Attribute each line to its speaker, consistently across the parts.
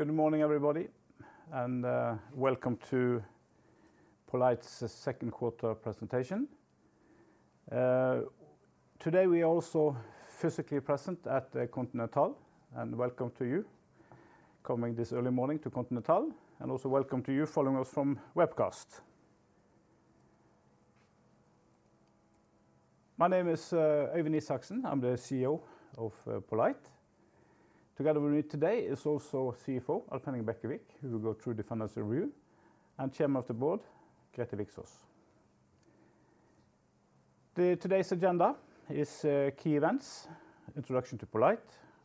Speaker 1: Good morning, everybody, and welcome to poLight's second quarter presentation. Today we are also physically present at Continental, and welcome to you coming this early morning to Continental, and also welcome to you following us from webcast. My name is Øyvind Isaksen. I'm the CEO of poLight. Together with me today is also CFO Alf Henning Bekkevik, who will go through the financial review, and Chairman of the Board Grethe Viksaas. Today's agenda is key events, introduction to poLight,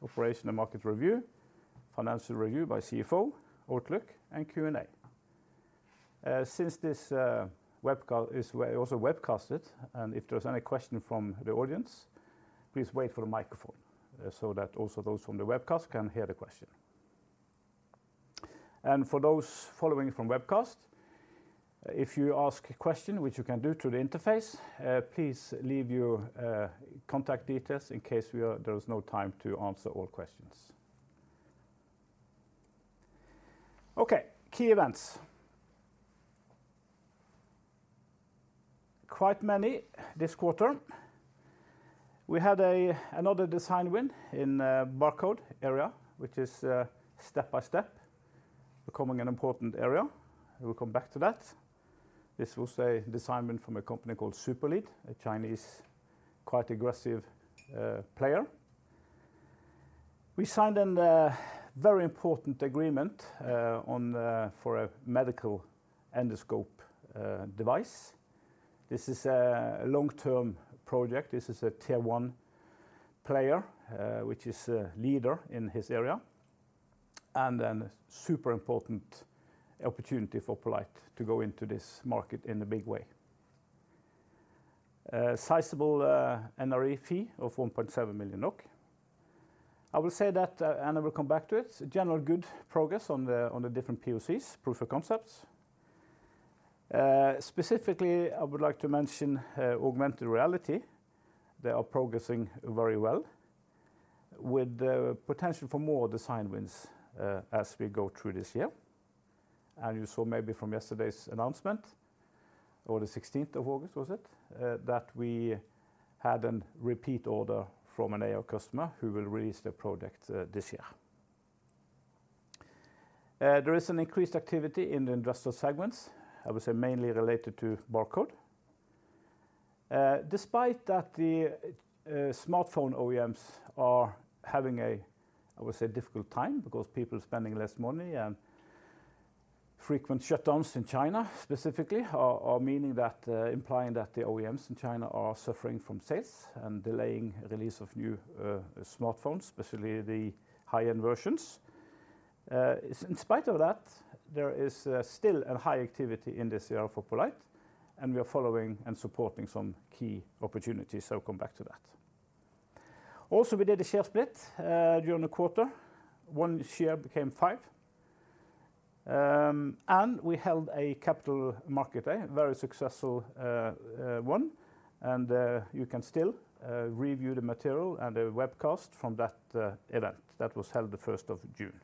Speaker 1: operation and market review, financial review by CFO, outlook, and Q&A. Since this webcast is also webcasted, and if there's any questions from the audience, please wait for the microphone, so that also those from the webcast can hear the question. For those following from webcast, if you ask a question, which you can do through the interface, please leave your contact details in case there is no time to answer all questions. Okay. Key events. Quite many this quarter. We had another design win in barcode area, which is step by step becoming an important area. We'll come back to that. This was a design win from a company called Superlead, a Chinese quite aggressive player. We signed a very important agreement on for a medical endoscope device. This is a long-term project. This is a tier one player, which is a leader in his area, and then super important opportunity for poLight to go into this market in a big way. Sizable NRE fee of 1.7 million NOK. I will say that, and I will come back to it, general good progress on the different POCs, proof of concepts. Specifically, I would like to mention augmented reality, they are progressing very well, with potential for more design wins as we go through this year. You saw maybe from yesterday's announcement or the sixteenth of August, was it, that we had a repeat order from an AR customer who will release their product this year. There is an increased activity in the industrial segments, I would say mainly related to barcode. Despite that the smartphone OEMs are having a, I would say, difficult time because people are spending less money and frequent shutdowns in China specifically are meaning that implying that the OEMs in China are suffering from sales and delaying release of new smartphones, especially the high-end versions. In spite of that, there is still a high activity in this year for poLight, and we are following and supporting some key opportunities, so I'll come back to that. Also, we did a share split during the quarter. One share became five. We held a capital market day, very successful one, and you can still review the material and the webcast from that event. That was held the 1st of June.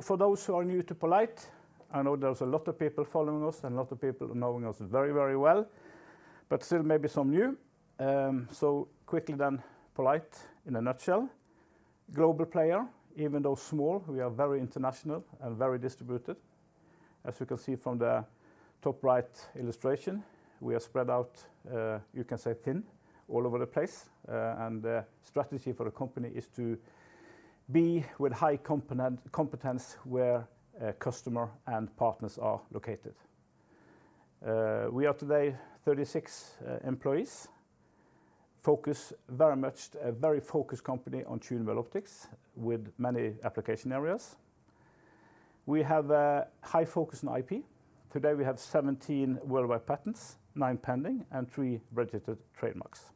Speaker 1: For those who are new to poLight, I know there's a lot of people following us and a lot of people knowing us very, very well, but still maybe some new. Quickly poLight in a nutshell. Global player, even though small, we are very international and very distributed. As you can see from the top right illustration, we are spread out, you can say thin all over the place, and the strategy for the company is to be with high competence where customers and partners are located. We are today 36 employees. A very focused company on tunable optics with many application areas. We have a high focus on IP. Today, we have 17 worldwide patents, nine pending, and three registered trademarks.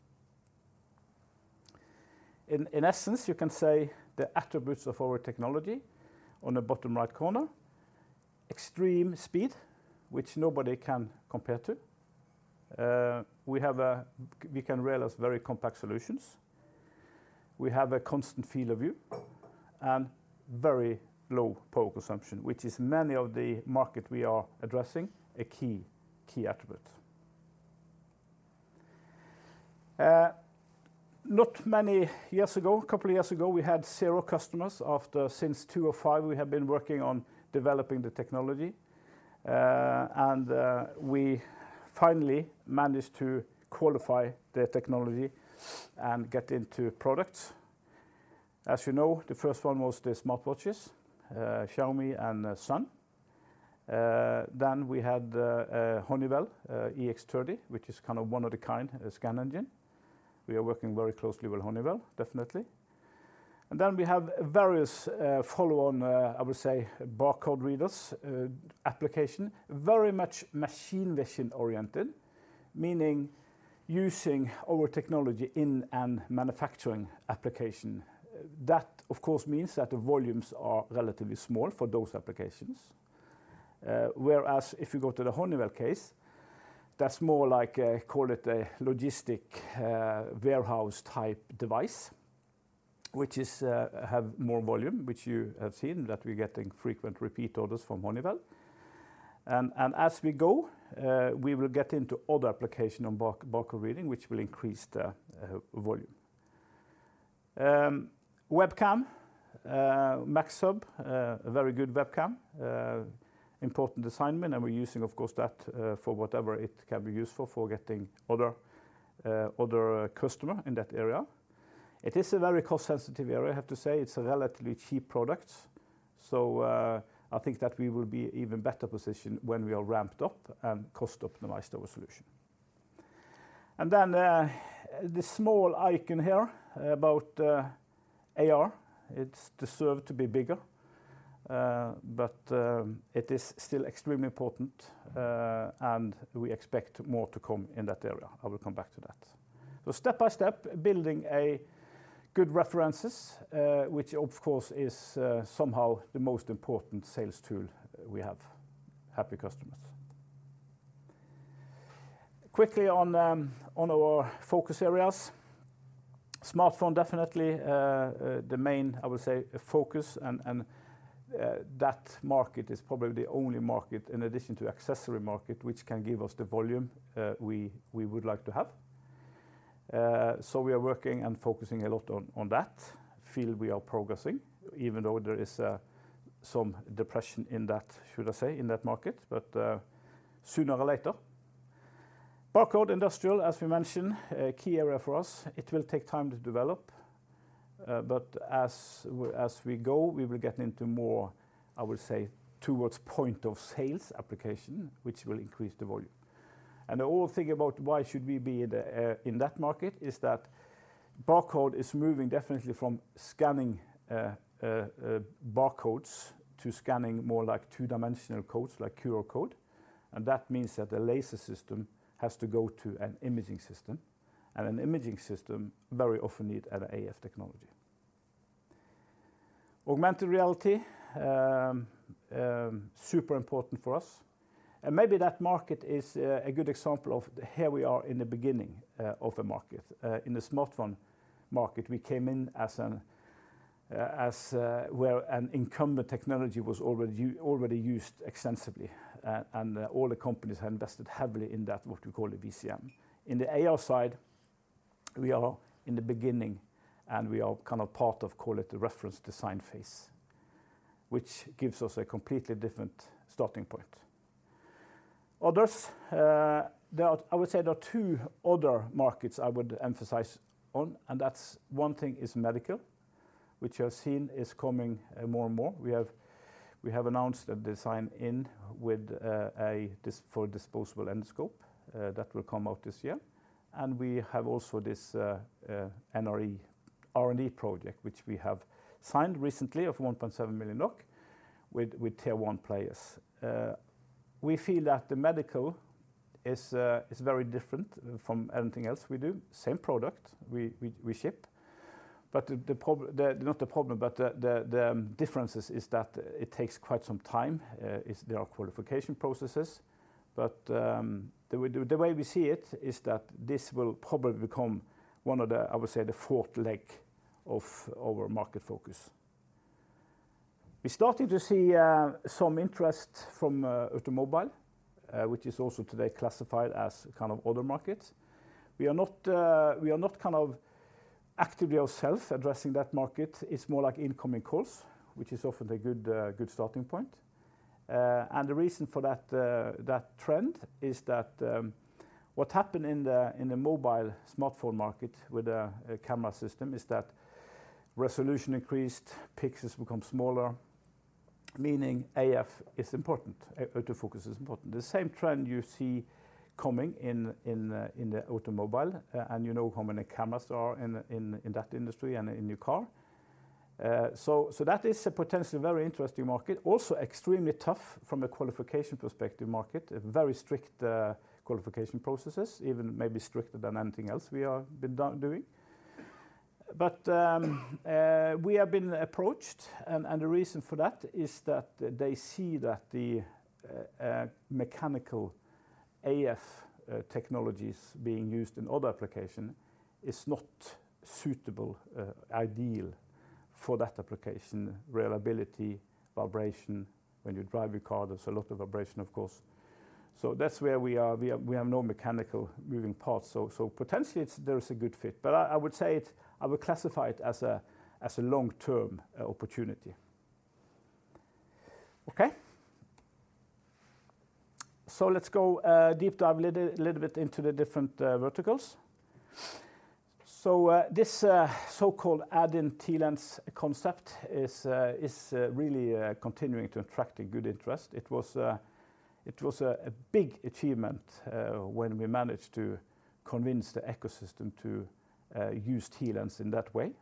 Speaker 1: In essence, you can say the attributes of our technology on the bottom right corner, extreme speed, which nobody can compare to. We can realize very compact solutions. We have a constant field of view and very low power consumption, which is many of the markets we are addressing, a key attribute. Not many years ago, a couple of years ago, we had zero customers, and since 2005 we have been working on developing the technology, and we finally managed to qualify the technology and get into products. As you know, the first one was the smartwatches, Xiaomi and Sonix. Then we had Honeywell EX30, which is kind of one of a kind scan engine. We are working very closely with Honeywell, definitely. We have various follow-on, I would say, barcode readers application. Very much machine vision-oriented, meaning using our technology in a manufacturing application. That, of course, means that the volumes are relatively small for those applications. Whereas if you go to the Honeywell case. That's more like, call it a logistics warehouse-type device, which has more volume, which you have seen that we're getting frequent repeat orders from Honeywell. As we go, we will get into other applications on barcode reading, which will increase the volume. Webcam, MAXHUB, a very good webcam, important design win, and we're using, of course, that, for whatever it can be used for getting other customers in that area. It is a very cost-sensitive area, I have to say. It's a relatively cheap product. I think that we will be even better positioned when we are ramped up and cost optimized our solution. The small icon here about AR, it's deserved to be bigger, but it is still extremely important, and we expect more to come in that area. I will come back to that. Step by step, building a good references, which of course is somehow the most important sales tool we have. Happy customers. Quickly on our focus areas. Smartphone definitely the main, I would say, focus and that market is probably the only market in addition to accessory market, which can give us the volume we would like to have. We are working and focusing a lot on that field. We are progressing, even though there is some depression in that, should I say, in that market, but sooner or later. Barcode industrial, as we mentioned, a key area for us, it will take time to develop. But as we go, we will get into more, I would say, towards point of sales application, which will increase the volume. The whole thing about why should we be in that market is that barcode is moving definitely from scanning barcodes to scanning more like two-dimensional codes, like QR code. That means that the laser system has to go to an imaging system, and an imaging system very often need an AF technology. Augmented reality is super important for us. Maybe that market is a good example of where we are in the beginning of a market. In the smartphone market, we came in as, where an incumbent technology was already used extensively and all the companies have invested heavily in that, what we call a VCM. In the AR side, we are in the beginning, and we are kind of part of, call it, the reference design phase, which gives us a completely different starting point. I would say there are two other markets I would emphasize on, and that's one thing is medical, which you have seen is coming more and more. We have announced a design-in for disposable endoscope that will come out this year. We have also this NRE R&D project, which we have signed recently of 1.7 million NOK with tier one players. We feel that the medical is very different from anything else we do. Same product we ship, but the differences is that it takes quite some time, there are qualification processes. The way we see it is that this will probably become one of the, I would say, the fourth leg of our market focus. We started to see some interest from automobile, which is also today classified as kind of other markets. We are not kind of actively ourselves addressing that market. It's more like incoming calls, which is often a good starting point. The reason for that trend is that what happened in the mobile smartphone market with a camera system is that resolution increased, pixels become smaller, meaning AF is important, auto focus is important. The same trend you see coming in the automobile, and you know how many cameras are in that industry and in your car. That is a potentially very interesting market. Also extremely tough from a qualification perspective. Market a very strict qualification processes, even maybe stricter than anything else we are doing. We have been approached and the reason for that is that they see that the mechanical AF technologies being used in other application is not suitable, ideal for that application. Reliability, vibration. When you drive your car, there's a lot of vibration, of course. That's where we are. We have no mechanical moving parts. Potentially, there is a good fit. I would classify it as a as a long-term opportunity. Okay. Let's go deep dive a little bit into the different verticals. This so-called add-in TLens concept is really continuing to attract a good interest. It was a big achievement when we managed to convince the ecosystem to use TLens in that way.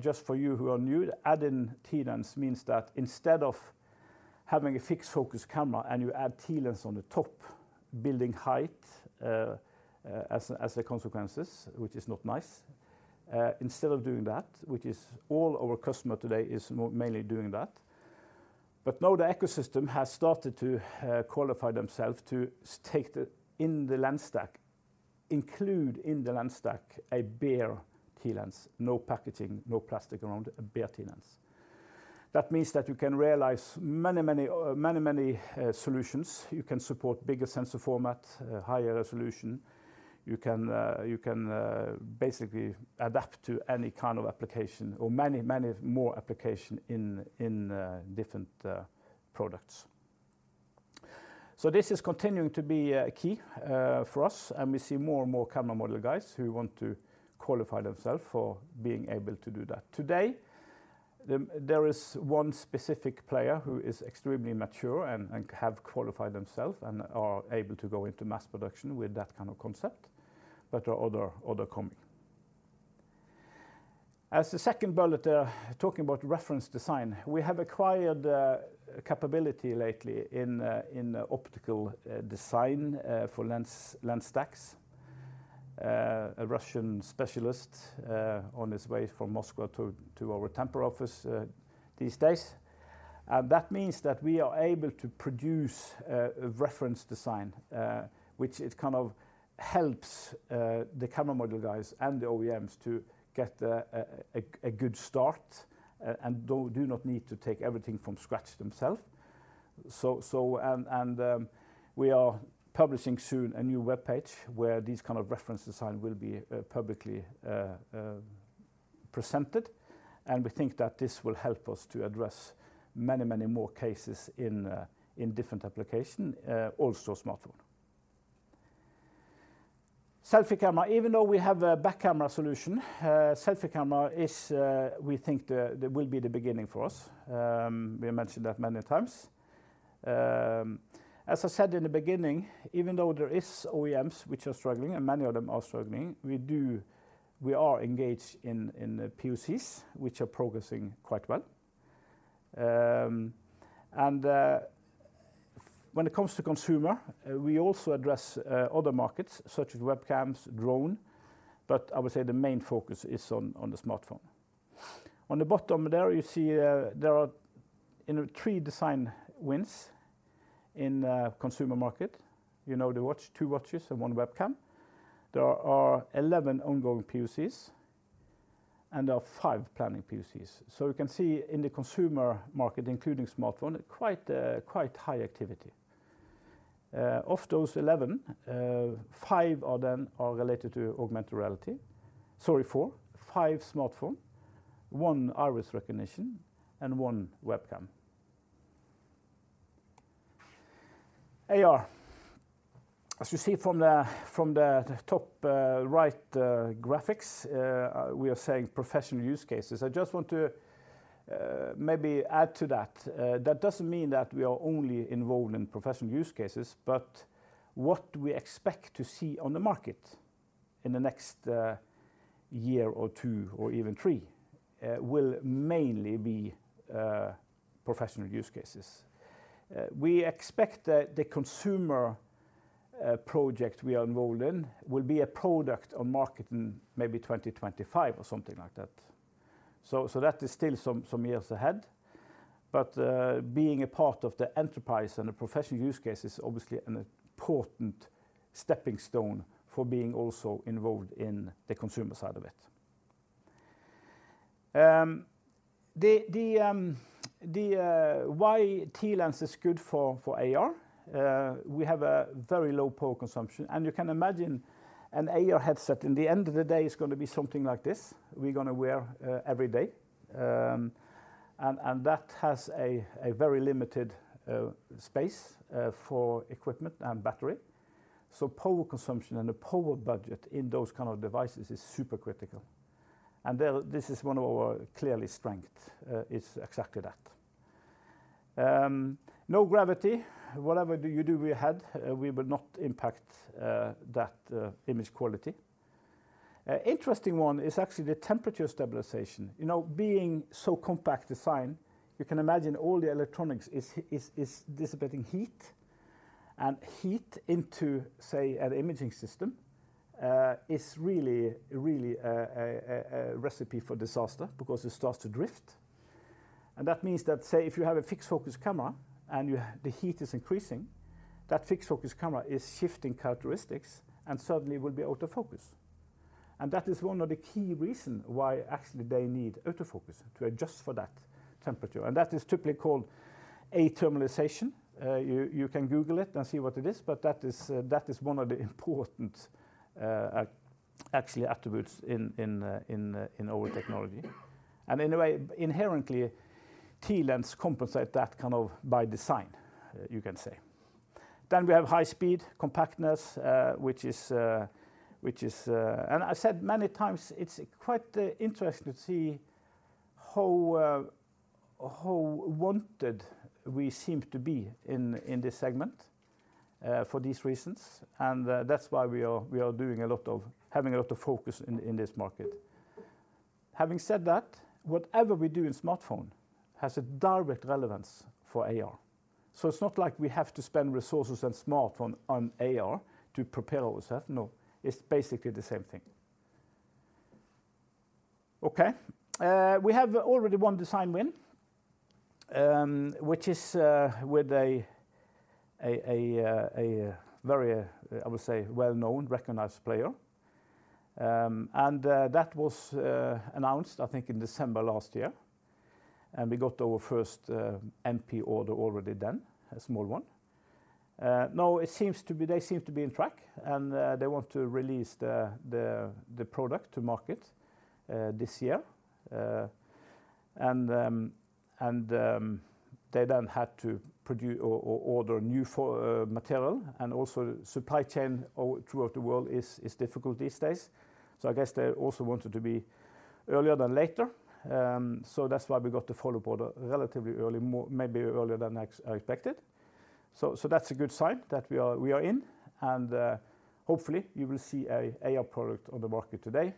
Speaker 1: Just for you who are new, add-in TLens means that instead of having a fixed focus camera and you add TLens on the top, building height as a consequence, which is not nice. Instead of doing that, which is all our customers today are mainly doing. Now the ecosystem has started to qualify themselves to include in the lens stack a bare TLens, no packaging, no plastic around it, a bare TLens. That means that you can realize many solutions. You can support bigger sensor format, higher resolution. You can basically adapt to any kind of application or many more application in different products. This is continuing to be key for us, and we see more and more camera module guys who want to qualify themselves for being able to do that. Today, there is one specific player who is extremely mature and have qualified themselves and are able to go into mass production with that kind of concept. But there are other coming. As the second bullet, talking about reference design, we have acquired capability lately in optical design for lens stacks. A Russian specialist on his way from Moscow to our Tampere office these days. That means that we are able to produce a reference design, which it kind of helps the camera module guys and the OEMs to get a good start and do not need to take everything from scratch themselves. We are publishing soon a new webpage where these kind of reference design will be publicly presented. We think that this will help us to address many more cases in different application, also smartphone. Selfie camera. Even though we have a back camera solution, selfie camera is we think the will be the beginning for us. We mentioned that many times. As I said in the beginning, even though there is OEMs which are struggling, and many of them are struggling, we are engaged in POCs, which are progressing quite well. When it comes to consumer, we also address other markets, such as webcams, drone, but I would say the main focus is on the smartphone. On the bottom there, you see, there are, you know, three design wins in consumer market. You know the watch, two watches and one webcam. There are 11 ongoing POCs, and there are five planning POCs. You can see in the consumer market, including smartphone, quite a, quite high activity. Of those 11, five of them are related to augmented reality. Sorry, four. Five smartphone, one iris recognition, and one webcam. AR. As you see from the top right graphics, we are saying professional use cases. I just want to maybe add to that. That doesn't mean that we are only involved in professional use cases, but what we expect to see on the market in the next year or two or even three will mainly be professional use cases. We expect that the consumer project we are involved in will be a product on market in maybe 2025 or something like that. So that is still some years ahead. Being a part of the enterprise and the professional use case is obviously an important stepping stone for being also involved in the consumer side of it. Why TLens is good for AR, we have a very low power consumption, and you can imagine an AR headset, at the end of the day, is gonna be something like this we're gonna wear every day. That has a very limited space for equipment and battery. Power consumption and the power budget in those kind of devices is super critical. This is one of our clear strengths is exactly that. No gravity. Whatever you do, it will not impact that image quality. Interesting one is actually the temperature stabilization. You know, being so compact design, you can imagine all the electronics is dissipating heat. Heat into, say, an imaging system, is really a recipe for disaster because it starts to drift. That means that, say, if you have a fixed focus camera and the heat is increasing, that fixed focus camera is shifting characteristics and suddenly will be out of focus. That is one of the key reason why actually they need autofocus to adjust for that temperature. That is typically called athermalization. You can Google it and see what it is, but that is one of the important actually attributes in our technology. In a way, inherently, TLens compensate that kind of by design, you can say. We have high speed, compactness, which is. I said many times, it's quite interesting to see how how wanted we seem to be in this segment, for these reasons. That's why we are having a lot of focus in this market. Having said that, whatever we do in smartphone has a direct relevance for AR. It's not like we have to spend resources on smartphone, on AR to prepare ourselves. No, it's basically the same thing. Okay, we have already one design win, which is with a very, I would say, well-known recognized player. And that was announced, I think in December last year. We got our first MP order already done, a small one. Now they seem to be on track, they want to release the product to market this year, they then had to produce or order new raw material, and also supply chain all throughout the world is difficult these days. I guess they also wanted to be earlier than later. That's why we got the follow-on order relatively early, maybe earlier than I expected. That's a good sign that we are in, and hopefully, you will see an AR product on the market today,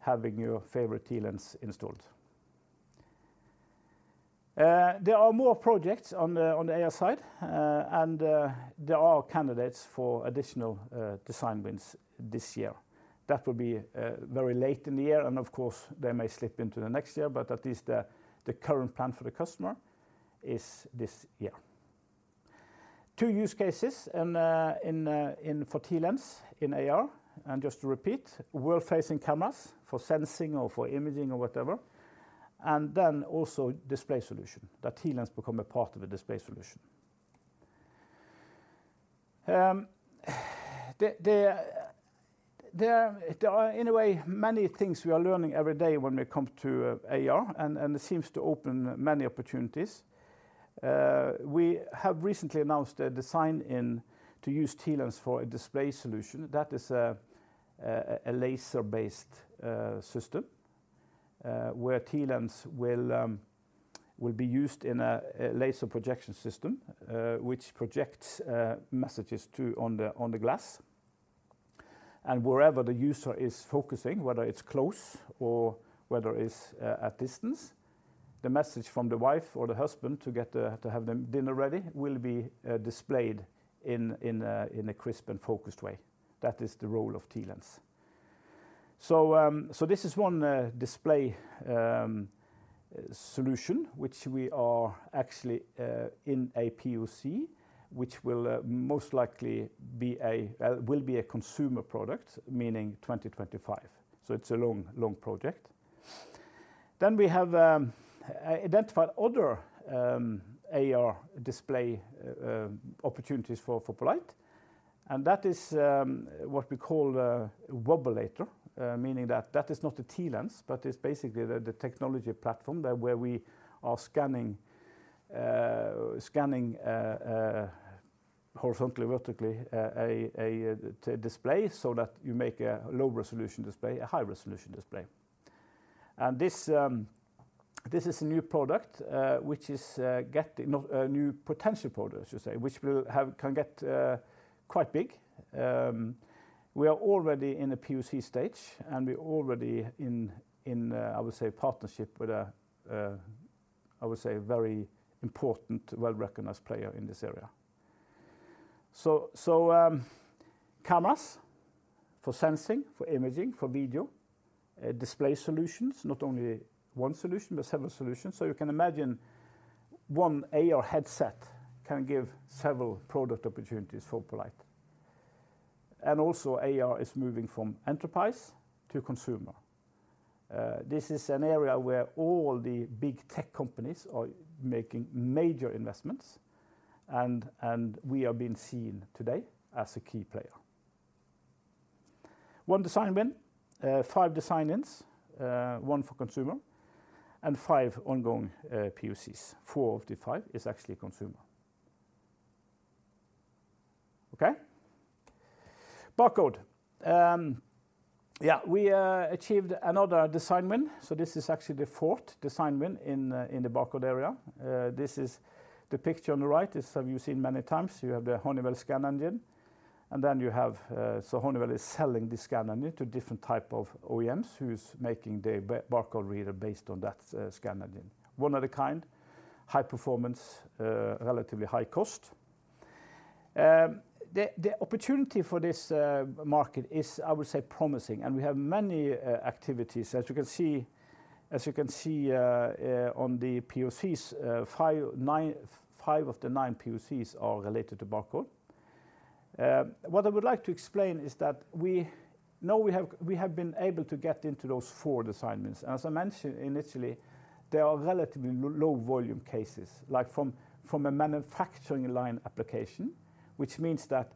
Speaker 1: having your favorite TLens installed. There are more projects on the AR side, and there are candidates for additional design wins this year. That will be very late in the year, and of course, they may slip into the next year, but at least the current plan for the customer is this year. Two use cases and in for TLens in AR. Just to repeat, world-facing cameras for sensing or for imaging or whatever, and then also display solution, that TLens becomes a part of a display solution. There are, in a way, many things we are learning every day when we come to AR, and it seems to open many opportunities. We have recently announced a design in to use TLens for a display solution that is a laser-based system, where TLens will be used in a laser projection system, which projects messages onto the glass. Wherever the user is focusing, whether it's close or whether it's at distance, the message from the wife or the husband to get to have the dinner ready will be displayed in a crisp and focused way. That is the role of TLens. This is one display solution which we are actually in a POC, which will most likely be a consumer product, meaning 2025. It's a long project. We have identified other AR display opportunities for poLight. That is what we call Wobulator, meaning that is not a TLens, but it's basically the technology platform where we are scanning horizontally, vertically to display so that you make a low-resolution display a high-resolution display. This is a new potential product, I should say, which can get quite big. We are already in the POC stage, and we're already in partnership with a very important, well-recognized player in this area. Cameras for sensing, for imaging, for video display solutions, not only one solution, but several solutions. You can imagine one AR headset can give several product opportunities for poLight. AR is moving from enterprise to consumer. This is an area where all the big tech companies are making major investments, and we are being seen today as a key player. One design win, five design-ins, one for consumer and five ongoing POCs. Four of the five is actually consumer. Okay. Barcode. Yeah, we achieved another design win, so this is actually the fourth design win in the barcode area. This is the picture on the right, which you have seen many times. You have the Honeywell scan engine, and then you have, so Honeywell is selling the scan engine to different type of OEMs who's making the barcode reader based on that scan engine. One of a kind, high performance, relatively high cost. The opportunity for this market is, I would say, promising, and we have many activities. As you can see on the POCs, five of the nine POCs are related to barcode. What I would like to explain is that we know we have been able to get into those four design wins. As I mentioned initially, they are relatively low-volume cases, like from a manufacturing line application, which means that,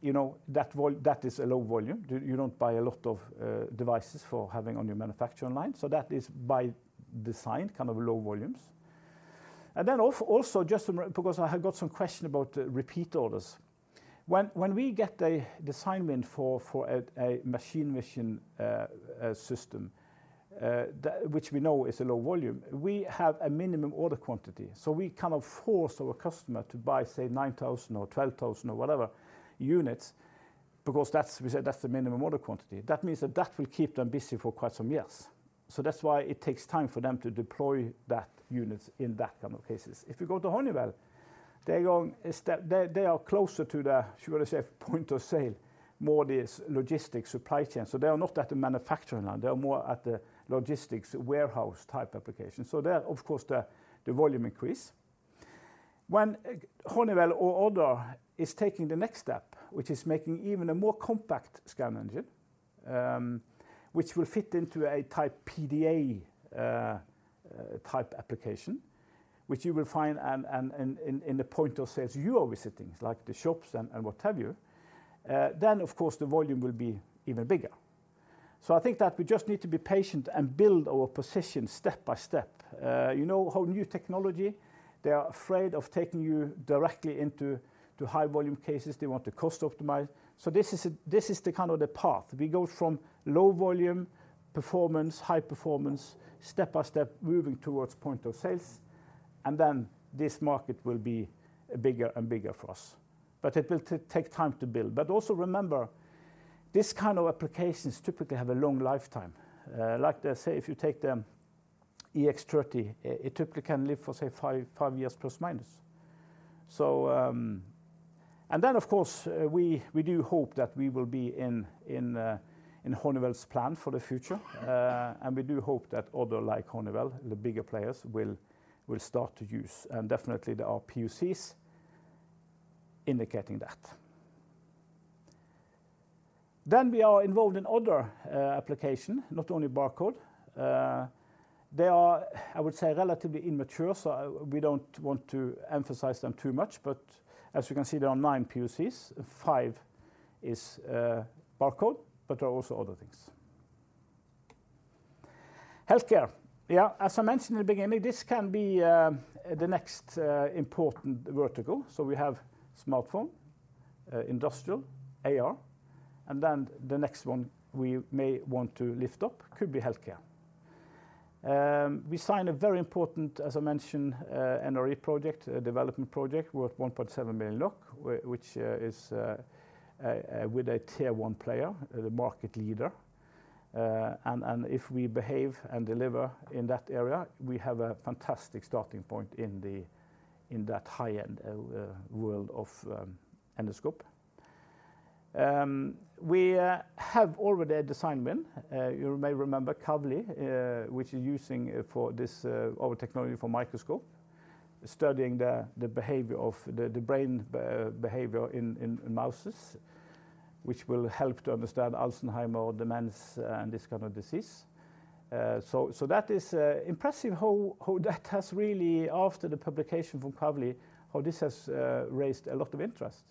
Speaker 1: you know, that is a low-volume. You don't buy a lot of devices for having on your manufacturing line. That is by design, kind of low-volumes. Also, because I have got some questions about repeat orders. When we get a design win for a machine vision system, which we know is a low-volume, we have a minimum order quantity. We kind of force our customers to buy, say, 9,000 or 12,000 or whatever units. Because we said that's the minimum order quantity. That means that will keep them busy for quite some years. That's why it takes time for them to deploy that units in that kind of cases. If you go to Honeywell, they are closer to the, should I say, point of sale, more this logistics supply chain. They are not at the manufacturing line, they are more at the logistics warehouse-type application. There, of course, the volume increase. When Honeywell or other is taking the next step, which is making even a more compact scan engine, which will fit into a type PDA, type application, which you will find in the point of sales you are visiting, like the shops and what have you, then of course, the volume will be even bigger. I think that we just need to be patient and build our position step by step. You know how new technology, they are afraid of taking you directly into high-volume cases. They want to cost optimize. This is the kind of the path. We go from low-volume performance, high performance, step by step, moving towards the point of sales, and then this market will be bigger and bigger for us. It will take time to build. Also remember, this kind of applications typically have a long lifetime. Like I say, if you take the EX30, it typically can live for, say, five years plus minus. Of course, we do hope that we will be in Honeywell's plan for the future, and we do hope that others like Honeywell, the bigger players will start to use, and definitely, there are POCs indicating that. We are involved in other applications, not only barcode. They are, I would say, relatively immature, so we don't want to emphasize them too much. As you can see, there are nine POCs. Five are barcode, but there are also other things. Healthcare. Yeah, as I mentioned in the beginning, this can be the next important vertical. We have smartphone, industrial, AR, and then the next one we may want to lift up could be healthcare. We signed a very important, as I mentioned, NRE project, a development project worth 1.7 million, which is with a tier one player, the market leader. If we behave and deliver in that area, we have a fantastic starting point in the, in that high-end world of endoscope. We have already a design win. You may remember Kavli, which is using for this our technology for microscope, studying the behavior of the brain behavior in mouses, which will help to understand Alzheimer's, dementia, and this kind of disease. That is impressive how that has really, after the publication from Kavli, how this has raised a lot of interest.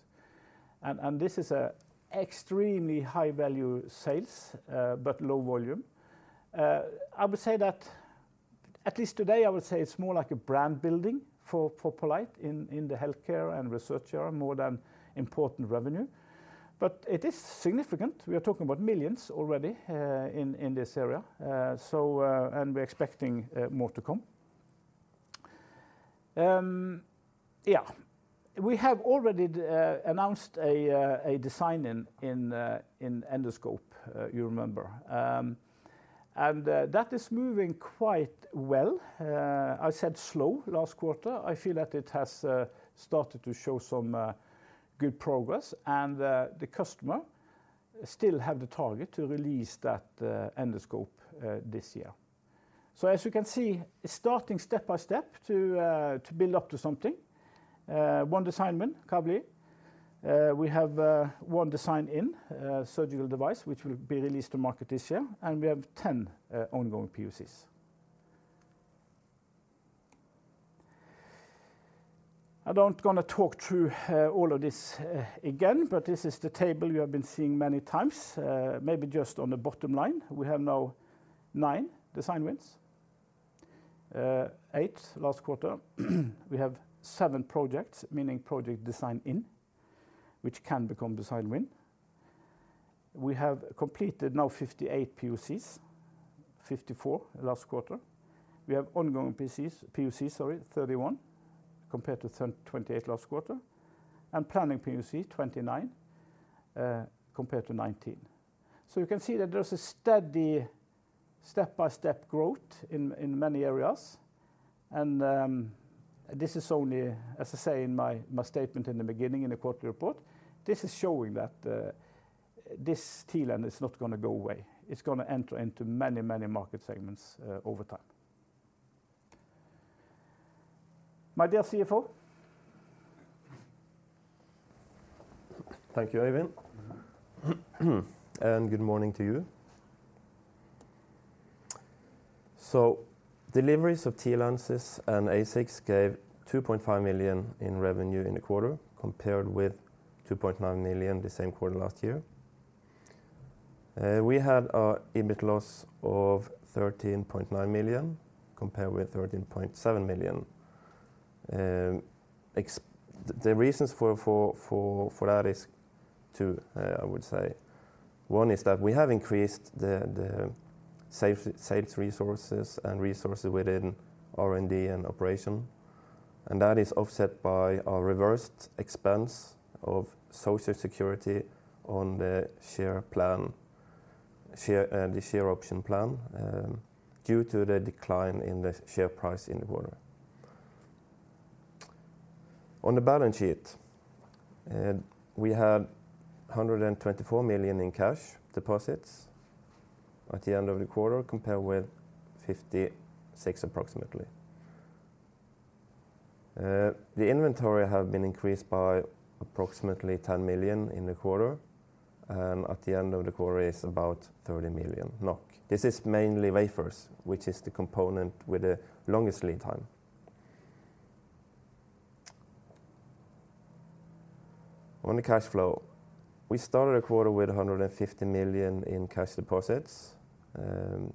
Speaker 1: This is an extremely high-value sales, but low-volume. I would say that, at least today, I would say it's more like a brand building for poLight in the healthcare and research area, more than important revenue. It is significant. We are talking about millions already in this area. We're expecting more to come. We have already announced a design in endoscope, you remember. That is moving quite well. I said slow last quarter. I feel that it has started to show some good progress, and the customer still have the target to release that endoscope this year. As you can see, it's starting step by step to build up to something. One design win, Kavli. We have one design in surgical device, which will be released to market this year, and we have 10 ongoing POCs. I don't gonna talk through all of this again, but this is the table you have been seeing many times. Maybe just on the bottom line. We have now nine design wins, eight last quarter. We have seven projects, meaning project design in, which can become design win. We have completed now 58 POCs, 54 last quarter. We have ongoing POCs, 31, compared to 28 last quarter, and planning POC, 29, compared to 19. You can see that there's a steady step-by-step growth in many areas, and this is only, as I say in my statement in the beginning in the quarterly report, this is showing that this TLens is not gonna go away. It's gonna enter into many market segments over time. My dear CFO.
Speaker 2: Thank you, Øyvind. Good morning to you. Deliveries of TLens and ASICs gave 2.5 million in revenue in the quarter, compared with 2.9 million the same quarter last year. We had a EBIT loss of 13.9 million, compared with 13.7 million. The reasons for that is two, I would say. One is that we have increased the sales resources and resources within R&D and operations. That is offset by our reversed expense of social security on the share option plan due to the decline in the share price in the quarter. On the balance sheet, we had 124 million in cash deposits at the end of the quarter, compared with approximately NOK 56. The inventory have been increased by approximately 10 million in the quarter, and at the end of the quarter is about 30 million NOK. This is mainly wafers, which is the component with the longest lead time. On the cash flow, we started the quarter with 150 million in cash deposits,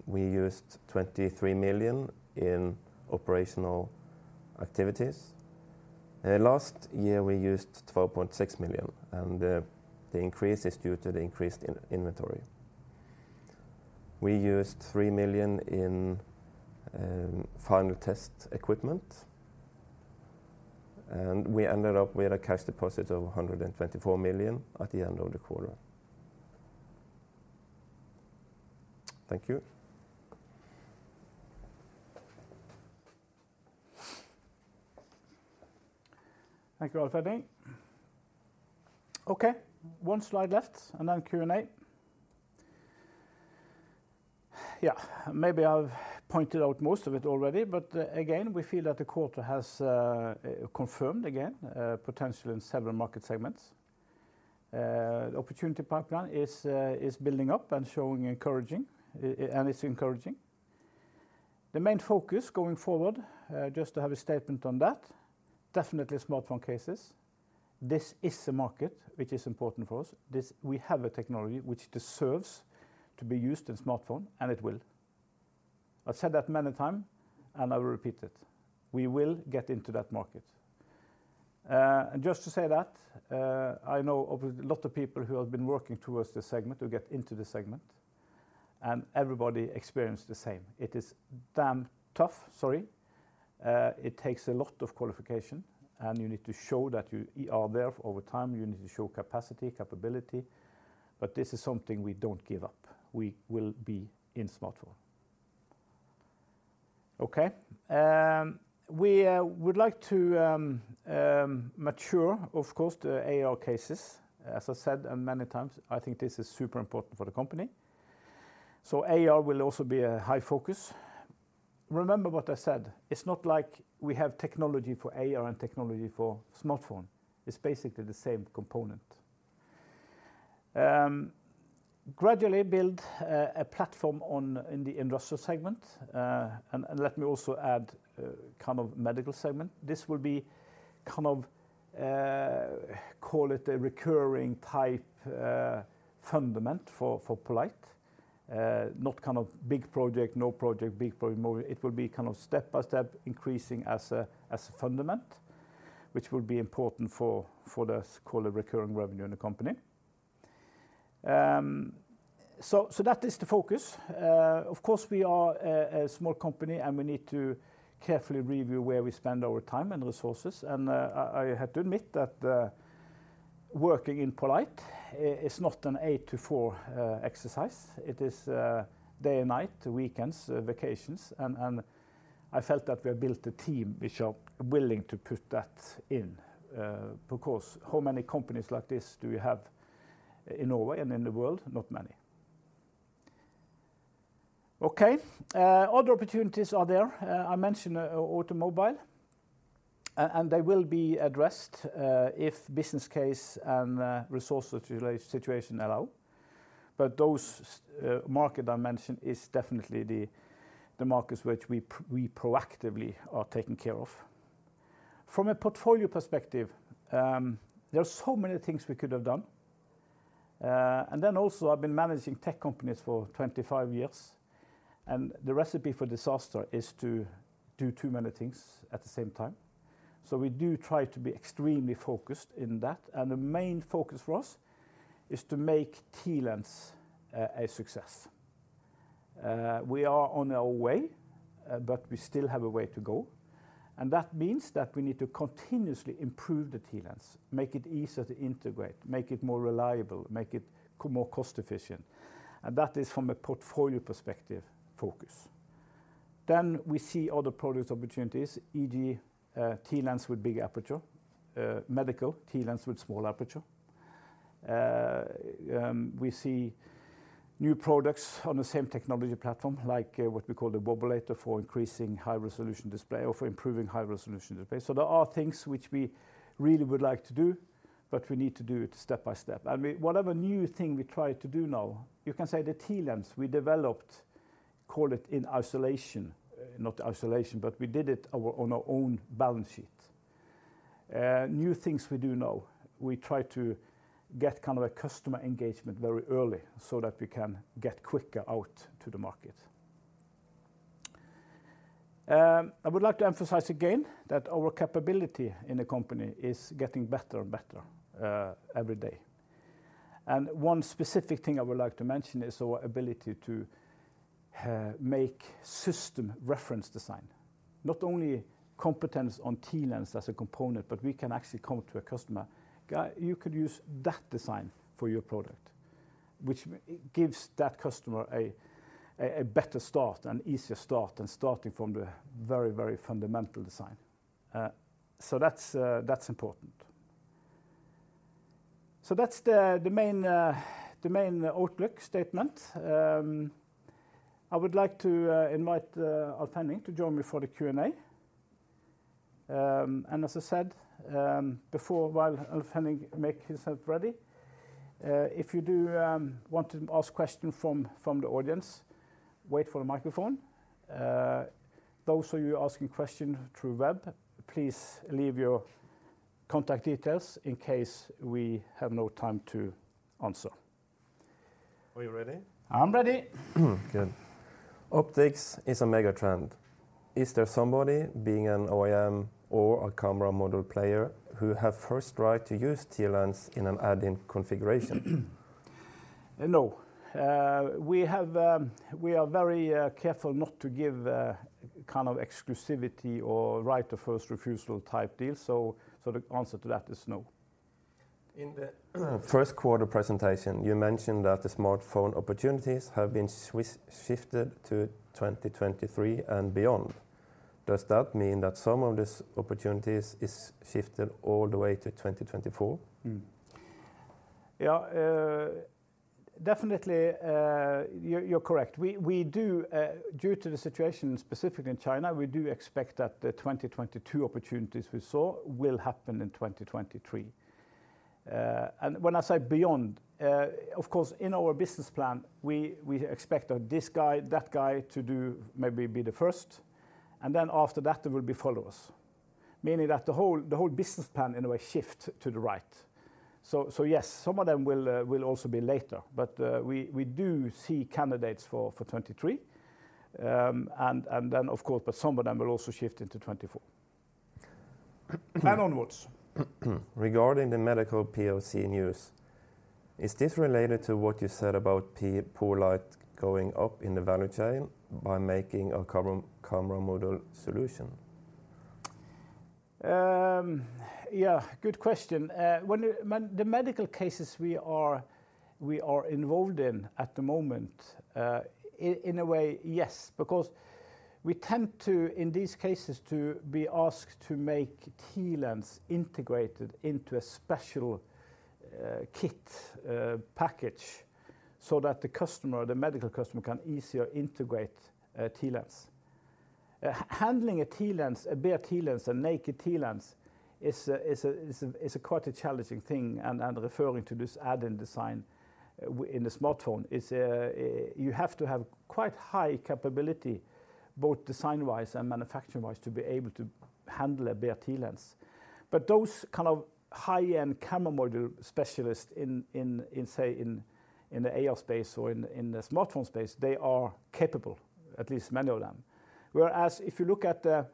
Speaker 2: we used 23 million in operational activities. Last year, we used 12.6 million, and the increase is due to the increased inventory. We used 3 million in final test equipment, and we ended up with a cash deposit of 124 million at the end of the quarter. Thank you.
Speaker 1: Thank you, Alf Henning. Okay, one slide left, and then Q&A. Yeah. Maybe I've pointed out most of it already, but again, we feel that the quarter has confirmed again potential in several market segments. Opportunity pipeline is building up and showing encouraging, and it's encouraging. The main focus going forward, just to have a statement on that, definitely smartphone space. This is a market which is important for us. This, we have a technology which deserves to be used in smartphone, and it will. I've said that many times, and I will repeat it. We will get into that market. Just to say that, I know obviously a lot of people who have been working towards this segment to get into this segment, and everybody experienced the same. It is damn tough. Sorry. It takes a lot of qualifications, and you need to show that you are there over time. You need to show capacity, capability, but this is something we don't give up. We will be in smartphone. Okay, we would like to mature, of course, the AR cases. As I said and many times, I think this is super important for the company. AR will also be a high focus. Remember what I said, it's not like we have technology for AR and technology for smartphone. It's basically the same component. Gradually build a platform on, in the industrial segment, and let me also add, kind of medical segment. This will be kind of, call it a recurring type, fundament for poLight. Not kind of big project, no project, big project, no. It will be kind of step-by-step increasing as a fundament, which will be important for the call it recurring revenue in the company. That is the focus. Of course, we are a small company, and we need to carefully review where we spend our time and resources, and I have to admit that working in poLight is not an eight-to-four exercise. It is day and night, weekends, vacations, and I felt that we have built a team which are willing to put that in. Because how many companies like this do you have in Norway and in the world? Not many. Okay, other opportunities are there. I mentioned automobile, and they will be addressed if business case and resource situation allow. Those markets I mentioned are definitely the markets which we are proactively taking care of. From a portfolio perspective, there are so many things we could have done. I've been managing tech companies for 25 years, and the recipe for disaster is to do too many things at the same time. We do try to be extremely focused in that, and the main focus for us is to make TLens a success. We are on our way, but we still have a way to go, and that means that we need to continuously improve the TLens, make it easier to integrate, make it more reliable, make it more cost-efficient. That is from a portfolio perspective focus. We see other product opportunities, e.g., TLens with big aperture, medical TLens with small aperture. We see new products on the same technology platform, like, what we call the Wobulator for increasing high resolution display or for improving high resolution display. There are things which we really would like to do, but we need to do it step by step. Whatever new thing we try to do now, you can say the TLens we developed, call it in isolation, not isolation, but we did it our, on our own balance sheet. New things we do now. We try to get kind of a customer engagement very early so that we can get quicker out to the market. I would like to emphasize again that our capability in the company is getting better and better, every day. One specific thing I would like to mention is our ability to make system reference design. Not only competence on TLens as a component, but we can actually come to a customer, "Guy, you could use that design for your product," which it gives that customer a better start and easier start than starting from the very, very fundamental design. That's important. That's the main outlook statement. I would like to invite Alf Henning to join me for the Q&A. As I said before, while Alf Henning makes himself ready, if you do want to ask questions from the audience, wait for the microphone. Those of you asking questions through web, please leave your contact details in case we have no time to answer.
Speaker 2: Are you ready?
Speaker 1: I'm ready.
Speaker 2: Good. Optics is a megatrend. Is there somebody, being an OEM or a camera module player, who have first right to use TLens in an add-in configuration?
Speaker 1: No. We are very careful not to give kind of exclusivity or right of first refusal type deal. So the answer to that is no.
Speaker 2: In the first quarter presentation, you mentioned that the smartphone opportunities have been shifted to 2023 and beyond. Does that mean that some of these opportunities is shifted all the way to 2024?
Speaker 1: Yeah. Definitely, you're correct. We do, due to the situation specifically in China, expect that the 2022 opportunities we saw will happen in 2023. When I say beyond, of course, in our business plan, we expect that this guy, that guy, maybe be the first, and then after that there will be followers, meaning that the whole business plan, in a way, shifts to the right. Yes, some of them will also be later, but we do see candidates for 2023. Then, of course, but some of them will also shift into 2024. Onwards.
Speaker 2: Regarding the medical POC news, is this related to what you said about poLight going up in the value chain by making a camera module solution?
Speaker 1: Yeah. Good question. The medical cases we are involved in at the moment, in a way, yes, because we tend to, in these cases, to be asked to make TLens integrated into a special kit package so that the customer, the medical customer, can easier integrate a TLens. Handling a TLens, a bare TLens, a naked TLens is quite a challenging thing, and referring to this add-in design in the smartphone, you have to have quite high capability, both design-wise and manufacturing-wise, to be able to handle a bare TLens. But those kind of high-end camera module specialists in, say, in the AR space or in the smartphone space, they are capable, at least many of them. Whereas if you look at the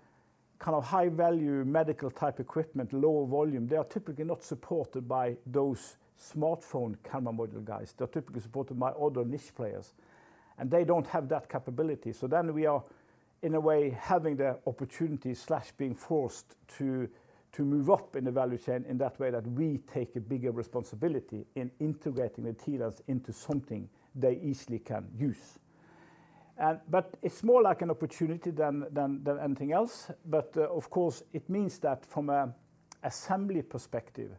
Speaker 1: kind of high-value medical type equipment, lower volume, they are typically not supported by those smartphone camera module guys. They're typically supported by other niche players, and they don't have that capability. We are, in a way, having the opportunity, being forced to move up in the value chain in that way that we take a bigger responsibility in integrating the TLens into something they easily can use. But it's more like an opportunity than anything else. But, of course, it means that from an assembly perspective,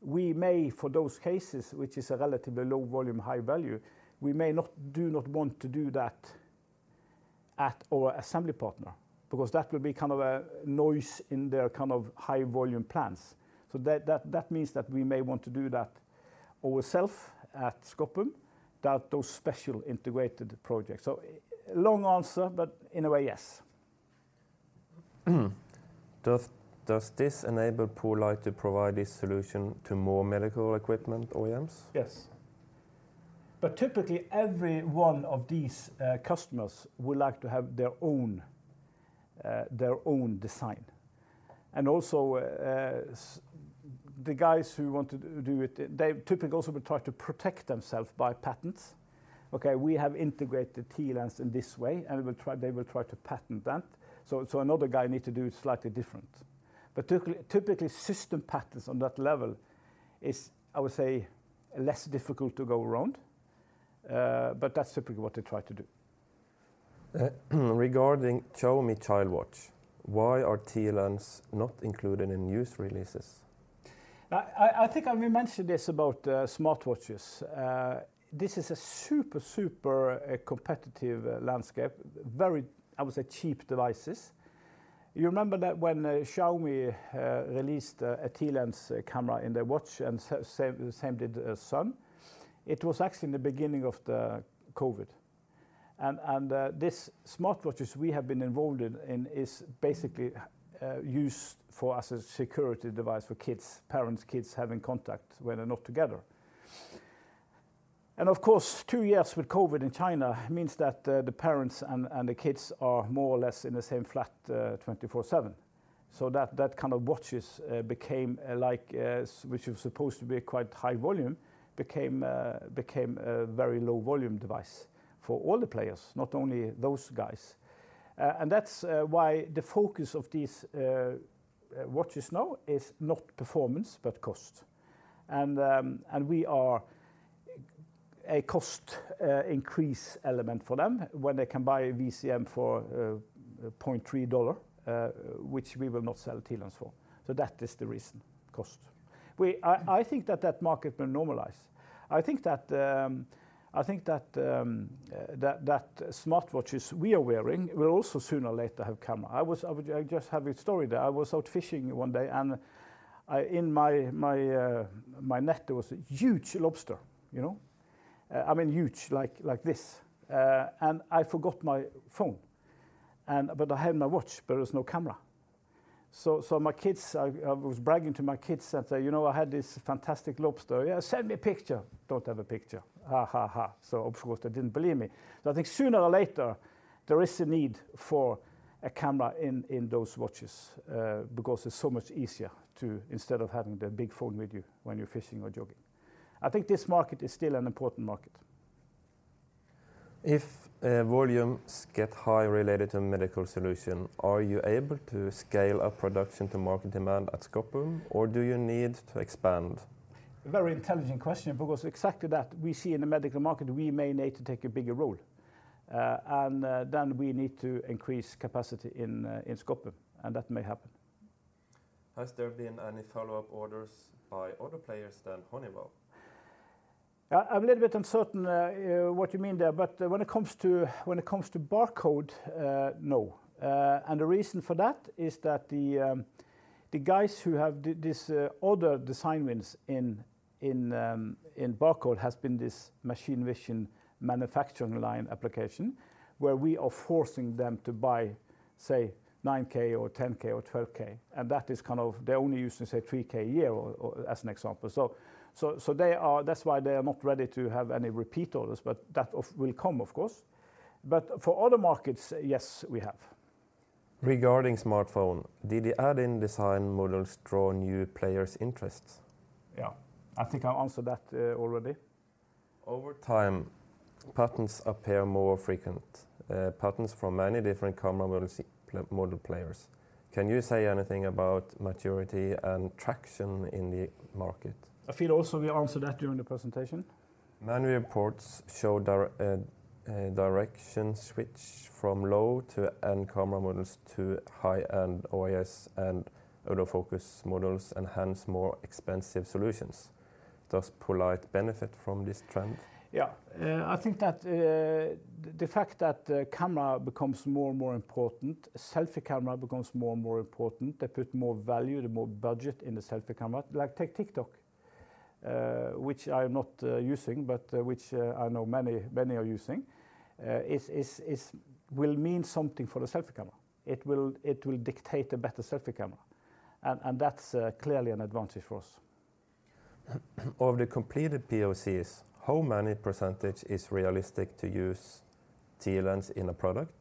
Speaker 1: we may, for those cases, which is a relatively low-volume, high-value, do not want to do that at our assembly partner because that will be kind of a noise in their kind of high-volume plans. That means that we may want to do that ourselves at Skoppum, that those special integrated projects. Long answer, but in a way, yes.
Speaker 2: Does this enable poLight to provide this solution to more medical equipment OEMs?
Speaker 1: Yes. Typically every one of these customers would like to have their own, their own design. Also, the guys who want to do it, they typically also will try to protect themselves by patents. Okay, we have integrated TLens in this way, they will try to patent that. Another guy need to do it slightly different. Typically system patents on that level is, I would say, less difficult to go around, but that's typically what they try to do.
Speaker 2: Regarding Xiaomi Child Watch, why are TLens not included in news releases?
Speaker 1: I think I may mentioned this about smartwatches. This is a super competitive landscape. Very, I would say, cheap devices. You remember that when Xiaomi released a TLens camera in their watch and same did Sonix, it was actually in the beginning of the COVID. These smartwatches we have been involved in is basically used for as a security device for kids, parents, kids having contact when they're not together. Of course, two years with COVID in China means that the parents and the kids are more or less in the same flat twenty-four seven. That kind of watches which was supposed to be a quite high-volume became a very low-volume device for all the players, not only those guys. That's why the focus of these watches now is not performance, but cost. We are a cost increase element for them when they can buy a VCM for $0.3, which we will not sell TLens for. That is the reason, cost. I think that market will normalize. I think that smart watches we are wearing will also sooner or later have camera. I just have a story there. I was out fishing one day, and in my net, there was a huge lobster, you know. I mean huge, like this. I forgot my phone, but I have my watch, but there was no camera. My kids, I was bragging to my kids and say, "You know, I had this fantastic lobster." "Yeah, send me a picture." "Don't have a picture. Ha ha ha." Of course, they didn't believe me. I think sooner or later, there is a need for a camera in those watches, because it's so much easier to instead of having the big phone with you when you're fishing or jogging. I think this market is still an important market.
Speaker 2: If volumes get high related to medical solutions, are you able to scale up production to market demand at Skoppum, or do you need to expand?
Speaker 1: A very intelligent question because exactly that we see in the medical market, we may need to take a bigger role. Then we need to increase capacity in Skoppum, and that may happen.
Speaker 2: Has there been any follow-up orders by other players than Honeywell?
Speaker 1: I'm a little bit uncertain what you mean there, but when it comes to barcode, no. The reason for that is that the guys who have this order design wins in barcode has been this machine vision manufacturing line application, where we are forcing them to buy, say, 9K or 10K or 12K. That is kind of they're only using, say, 3K a year or as an example. That's why they are not ready to have any repeat orders, but that will come, of course. For other markets, yes, we have.
Speaker 2: Regarding smartphone, did the add-in design models draw new players' interests?
Speaker 1: Yeah. I think I answered that already.
Speaker 2: Over time, patents appear more frequent from many different camera module players. Can you say anything about maturity and traction in the market?
Speaker 1: I feel also we answered that during the presentation.
Speaker 2: Many reports show direction switch from low-end camera modules to high-end OIS and auto focus modules and hence more expensive solutions. Does poLight benefit from this trend?
Speaker 1: Yeah. I think that the fact that the camera becomes more and more important, selfie camera becomes more and more important. They put more value, the more budget in the selfie camera. Like take TikTok, which I am not using, but which I know many, many are using, will mean something for the selfie camera. It will dictate a better selfie camera, and that's clearly an advantage for us.
Speaker 2: Of the completed POCs, how many percentage is realistic to use TLens in a product?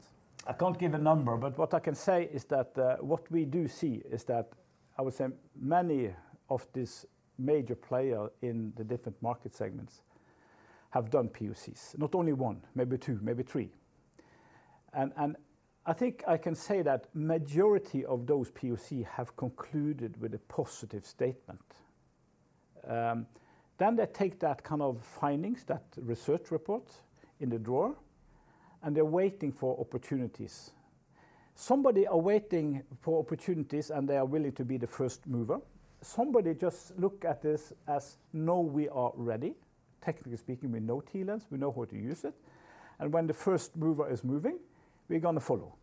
Speaker 1: I can't give a number, but what I can say is that what we do see is that I would say many of these major players in the different market segments have done POCs. Not only one, maybe two, maybe three. And I think I can say that majority of those POCs have concluded with a positive statement. Then they take that kind of findings, that research report in the drawer, and they're waiting for opportunities. Somebody are waiting for opportunities, and they are willing to be the first mover. Somebody just look at this as, "No, we are ready. Technically speaking, we know TLens, we know how to use it, and when the first mover is moving, we're gonna follow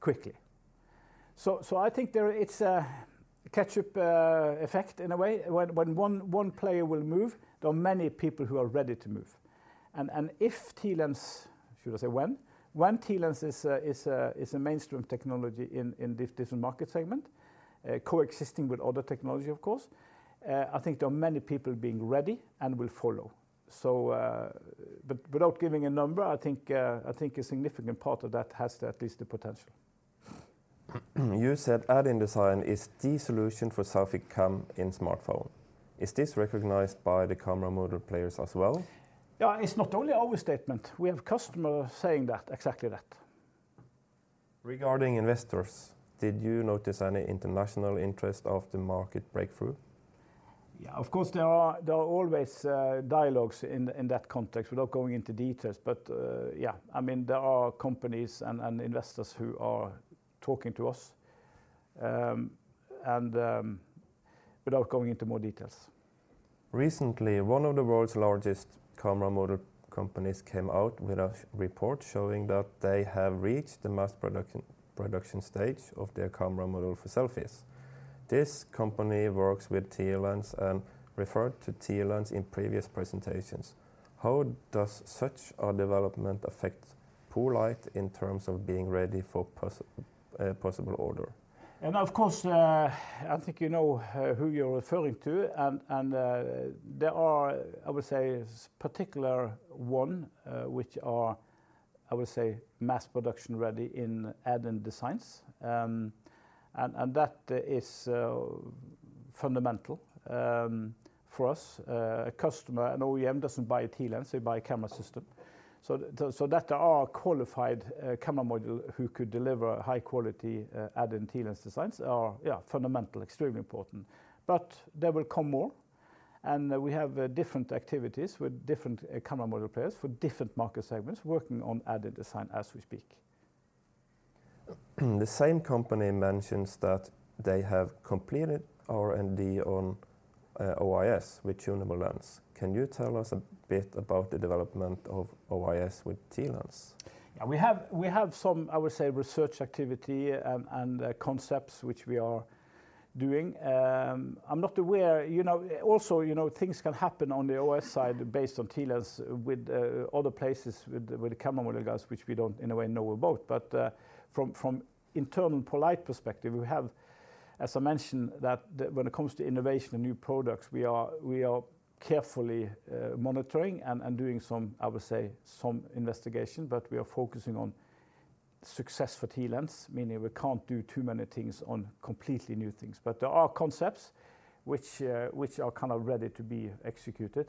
Speaker 1: quickly." So I think there it's a catch-up effect in a way. When one player will move, there are many people who are ready to move. If TLens, should I say when TLens is a mainstream technology in this different market segment, coexisting with other technology of course, I think there are many people being ready and will follow. But without giving a number, I think a significant part of that has at least the potential.
Speaker 2: You said add-in design is the solution for selfie cam in smartphone. Is this recognized by the camera module players as well?
Speaker 1: Yeah. It's not only our statement. We have customers saying that, exactly that.
Speaker 2: Regarding investors, did you notice any international interest in the market breakthrough?
Speaker 1: Yeah. Of course, there are always dialogues in that context without going into details. Yeah, I mean, there are companies and investors who are talking to us, and without going into more details.
Speaker 2: Recently, one of the world's largest camera module companies came out with a report showing that they have reached the mass production stage of their camera module for selfies. This company works with TLens and referred to TLens in previous presentations. How does such a development affect poLight in terms of being ready for possible order?
Speaker 1: Of course, I think you know who you're referring to and there are, I would say, particular one which are, I would say, mass production-ready in add-in designs. That is fundamental for us. A customer, an OEM doesn't buy a TLens, they buy a camera system. So that there are qualified camera module who could deliver high quality add-in TLens designs are fundamental, extremely important. There will come more, and we have different activities with different camera module players for different market segments working on add-in design as we speak.
Speaker 2: The same company mentions that they have completed R&D on OIS with TLens. Can you tell us a bit about the development of OIS with TLens?
Speaker 1: Yeah, we have some, I would say, research activity and concepts which we are doing. I'm not aware. You know, also, you know, things can happen on the OIS side based on TLens with other places with the camera module guys, which we don't in a way know about. From internal poLight perspective, we have, as I mentioned, that when it comes to innovation and new products, we are carefully monitoring and doing some, I would say, some investigation. We are focusing on success for TLens, meaning we can't do too many things on completely new things. There are concepts which are kind of ready to be executed.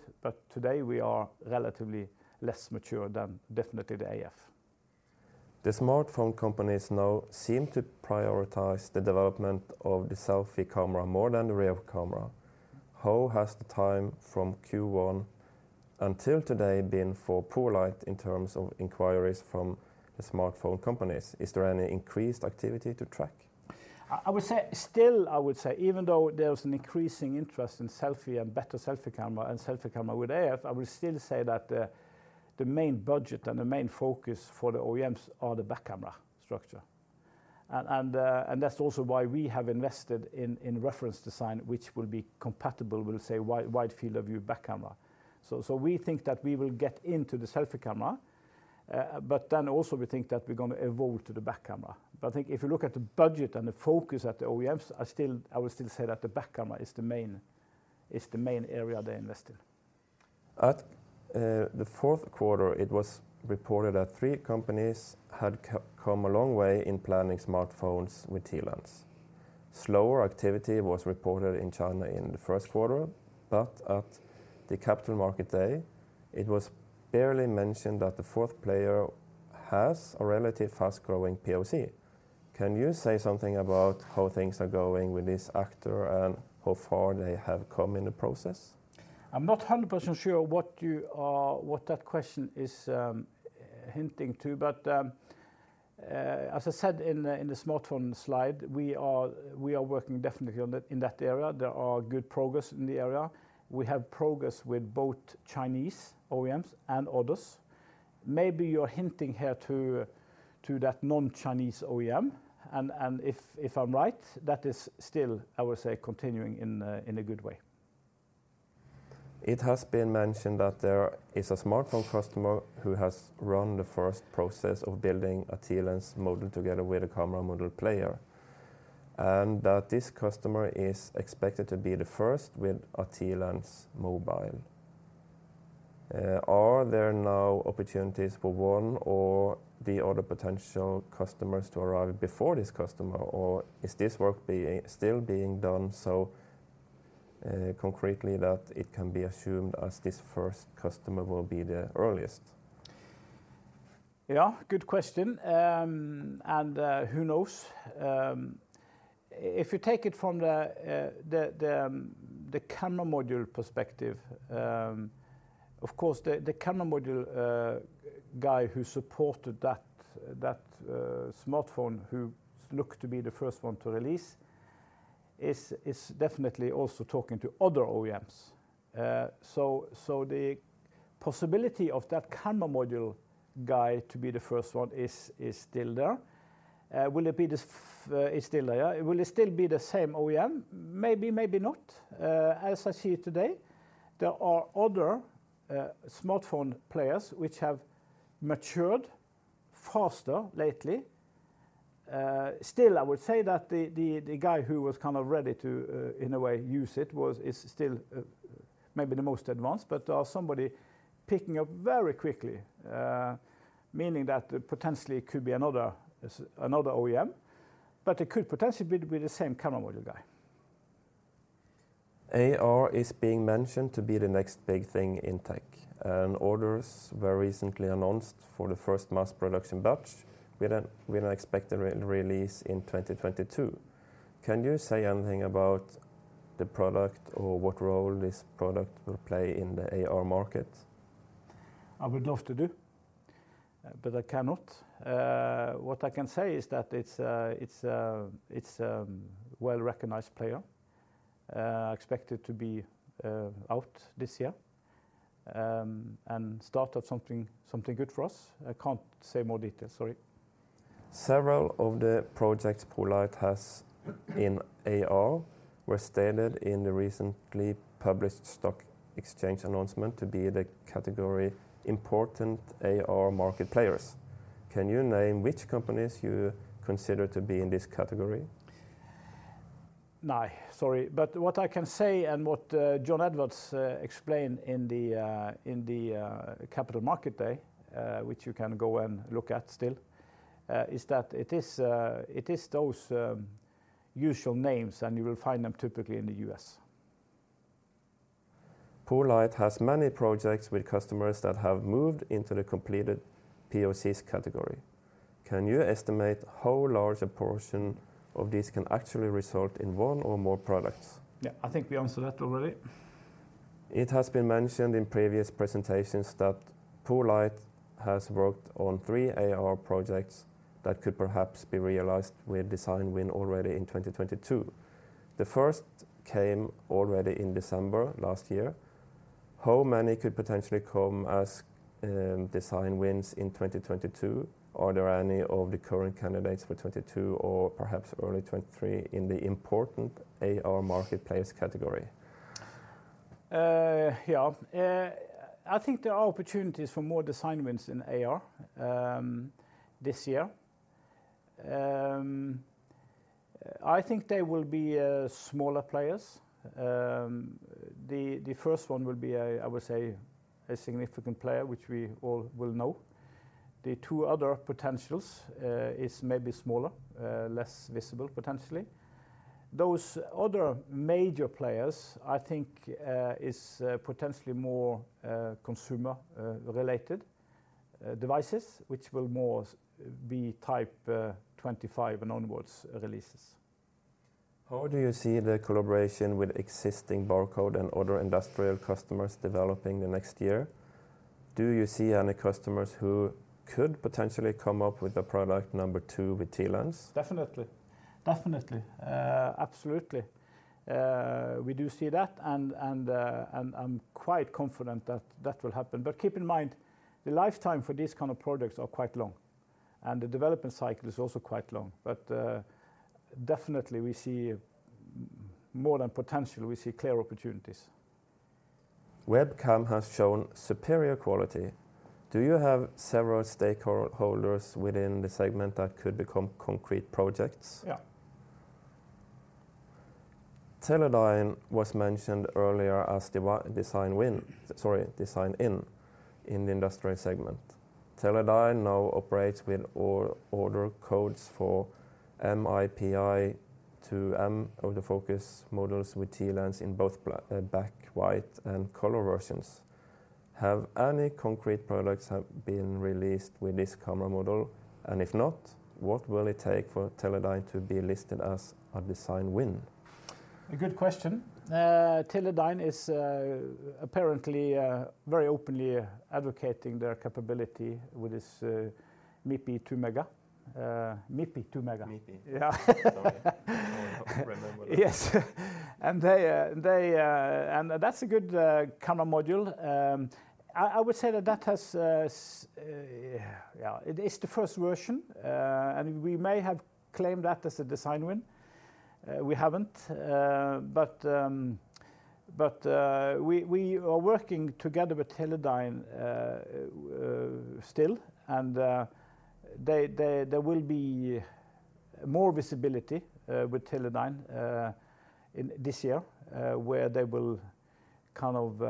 Speaker 1: Today we are relatively less mature than definitely the AF.
Speaker 2: The smartphone companies now seem to prioritize the development of the selfie camera more than the rear camera. How has the time from Q1 until today been for poLight in terms of inquiries from the smartphone companies? Is there any increased activity to track?
Speaker 1: I would say, still I would say even though there's an increasing interest in selfie and better selfie camera and selfie camera with AF, I would still say that the main budget and the main focus for the OEMs are the back camera structure. That's also why we have invested in reference design, which will be compatible with, say, wide field of view back camera. We think that we will get into the selfie camera, but then also we think that we're gonna evolve to the back camera. I think if you look at the budget and the focus at the OEMs, I still, I would still say that the back camera is the main area they invest in.
Speaker 2: In the fourth quarter, it was reported that three companies had come a long way in planning smartphones with TLens. Slower activity was reported in China in the first quarter, but at the Capital Markets Day, it was barely mentioned that the fourth player has a relatively fast-growing POC. Can you say something about how things are going with this actor and how far they have come in the process?
Speaker 1: I'm not 100% sure what you are, what that question is hinting to, but as I said in the smartphone slide, we are working definitely on that, in that area. There are good progress in the area. We have progress with both Chinese OEMs and others. Maybe you're hinting here to that non-Chinese OEM, and if I'm right, that is still, I would say, continuing in a good way.
Speaker 2: It has been mentioned that there is a smartphone customer who has run the first process of building a TLens module together with a camera module player, and that this customer is expected to be the first with a TLens mobile. Are there now opportunities for one or the other potential customers to arrive before this customer, or is this work still being done so concretely that it can be assumed as this first customer will be the earliest?
Speaker 1: Yeah. Good question. Who knows? If you take it from the camera module perspective, of course, the camera module guy who supported that smartphone, who looked to be the first one to release, is definitely also talking to other OEMs. The possibility of that camera module guy to be the first one is still there. It's still there. Will it still be the same OEM? Maybe not. As I see it today, there are other smartphone players which have matured faster lately. Still, I would say that the guy who was kind of ready to, in a way use it is still maybe the most advanced, but somebody picking up very quickly, meaning that potentially it could be another OEM, but it could potentially be the same camera module guy.
Speaker 2: AR is being mentioned to be the next big thing in tech, and orders were recently announced for the first mass production batch with an expected re-release in 2022. Can you say anything about the product or what role this product will play in the AR market?
Speaker 1: I would love to do, but I cannot. What I can say is that it's a well-recognized player, expected to be out this year, and start up something good for us. I can't say more details, sorry.
Speaker 2: Several of the projects poLight has in AR were stated in the recently published stock exchange announcement to be the category important AR market players. Can you name which companies you consider to be in this category?
Speaker 1: No, sorry. What I can say and what Jon Edwards explained in the Capital Markets Day, which you can go and look at still, is that it is those usual names, and you will find them typically in the U.S.
Speaker 2: poLight has many projects with customers that have moved into the completed POCs category. Can you estimate how large a portion of this can actually result in one or more products?
Speaker 1: Yeah, I think we answered that already.
Speaker 2: It has been mentioned in previous presentations that poLight has worked on three AR projects that could perhaps be realized with a design win already in 2022. The first came already in December last year. How many could potentially come as design wins in 2022? Are there any of the current candidates for 2022 or perhaps early 2023 in the important AR marketplace category?
Speaker 1: Yeah. I think there are opportunities for more design wins in AR this year. I think they will be smaller players. The first one will be a, I would say, a significant player, which we all will know. The two other potentials is maybe smaller, less visible, potentially. Those other major players, I think, is potentially more consumer-related devices, which will more be type 25 onwards releases.
Speaker 2: How do you see the collaboration with existing barcode and other industrial customers developing the next year? Do you see any customers who could potentially come up with a product number two with TLens?
Speaker 1: Definitely. Absolutely. We do see that and I'm quite confident that that will happen. Keep in mind, the lifetime for these kinds of products are quite long, and the development cycle is also quite long. Definitely we see more than potential, we see clear opportunities.
Speaker 2: Webcam has shown superior quality. Do you have several stakeholders within the segment that could become concrete projects?
Speaker 1: Yeah.
Speaker 2: Teledyne was mentioned earlier as a design in in the industrial segment. Teledyne now operates with order codes for MIPI to MEMS autofocus models with TLens in both black, white and color versions. Have any concrete products been released with this camera model? If not, what will it take for Teledyne to be listed as a design win?
Speaker 1: A good question. Teledyne is apparently very openly advocating their capability with this MIPI 2-mega.
Speaker 2: MIPI 2-mega.
Speaker 1: Yeah.
Speaker 2: Sorry. I can't remember that.
Speaker 1: Yes. That's a good camera module. I would say yeah, it is the first version, and we may have claimed that as a design win. We haven't, but we are working together with Teledyne still, and there will be more visibility with Teledyne in this year, where they will kind of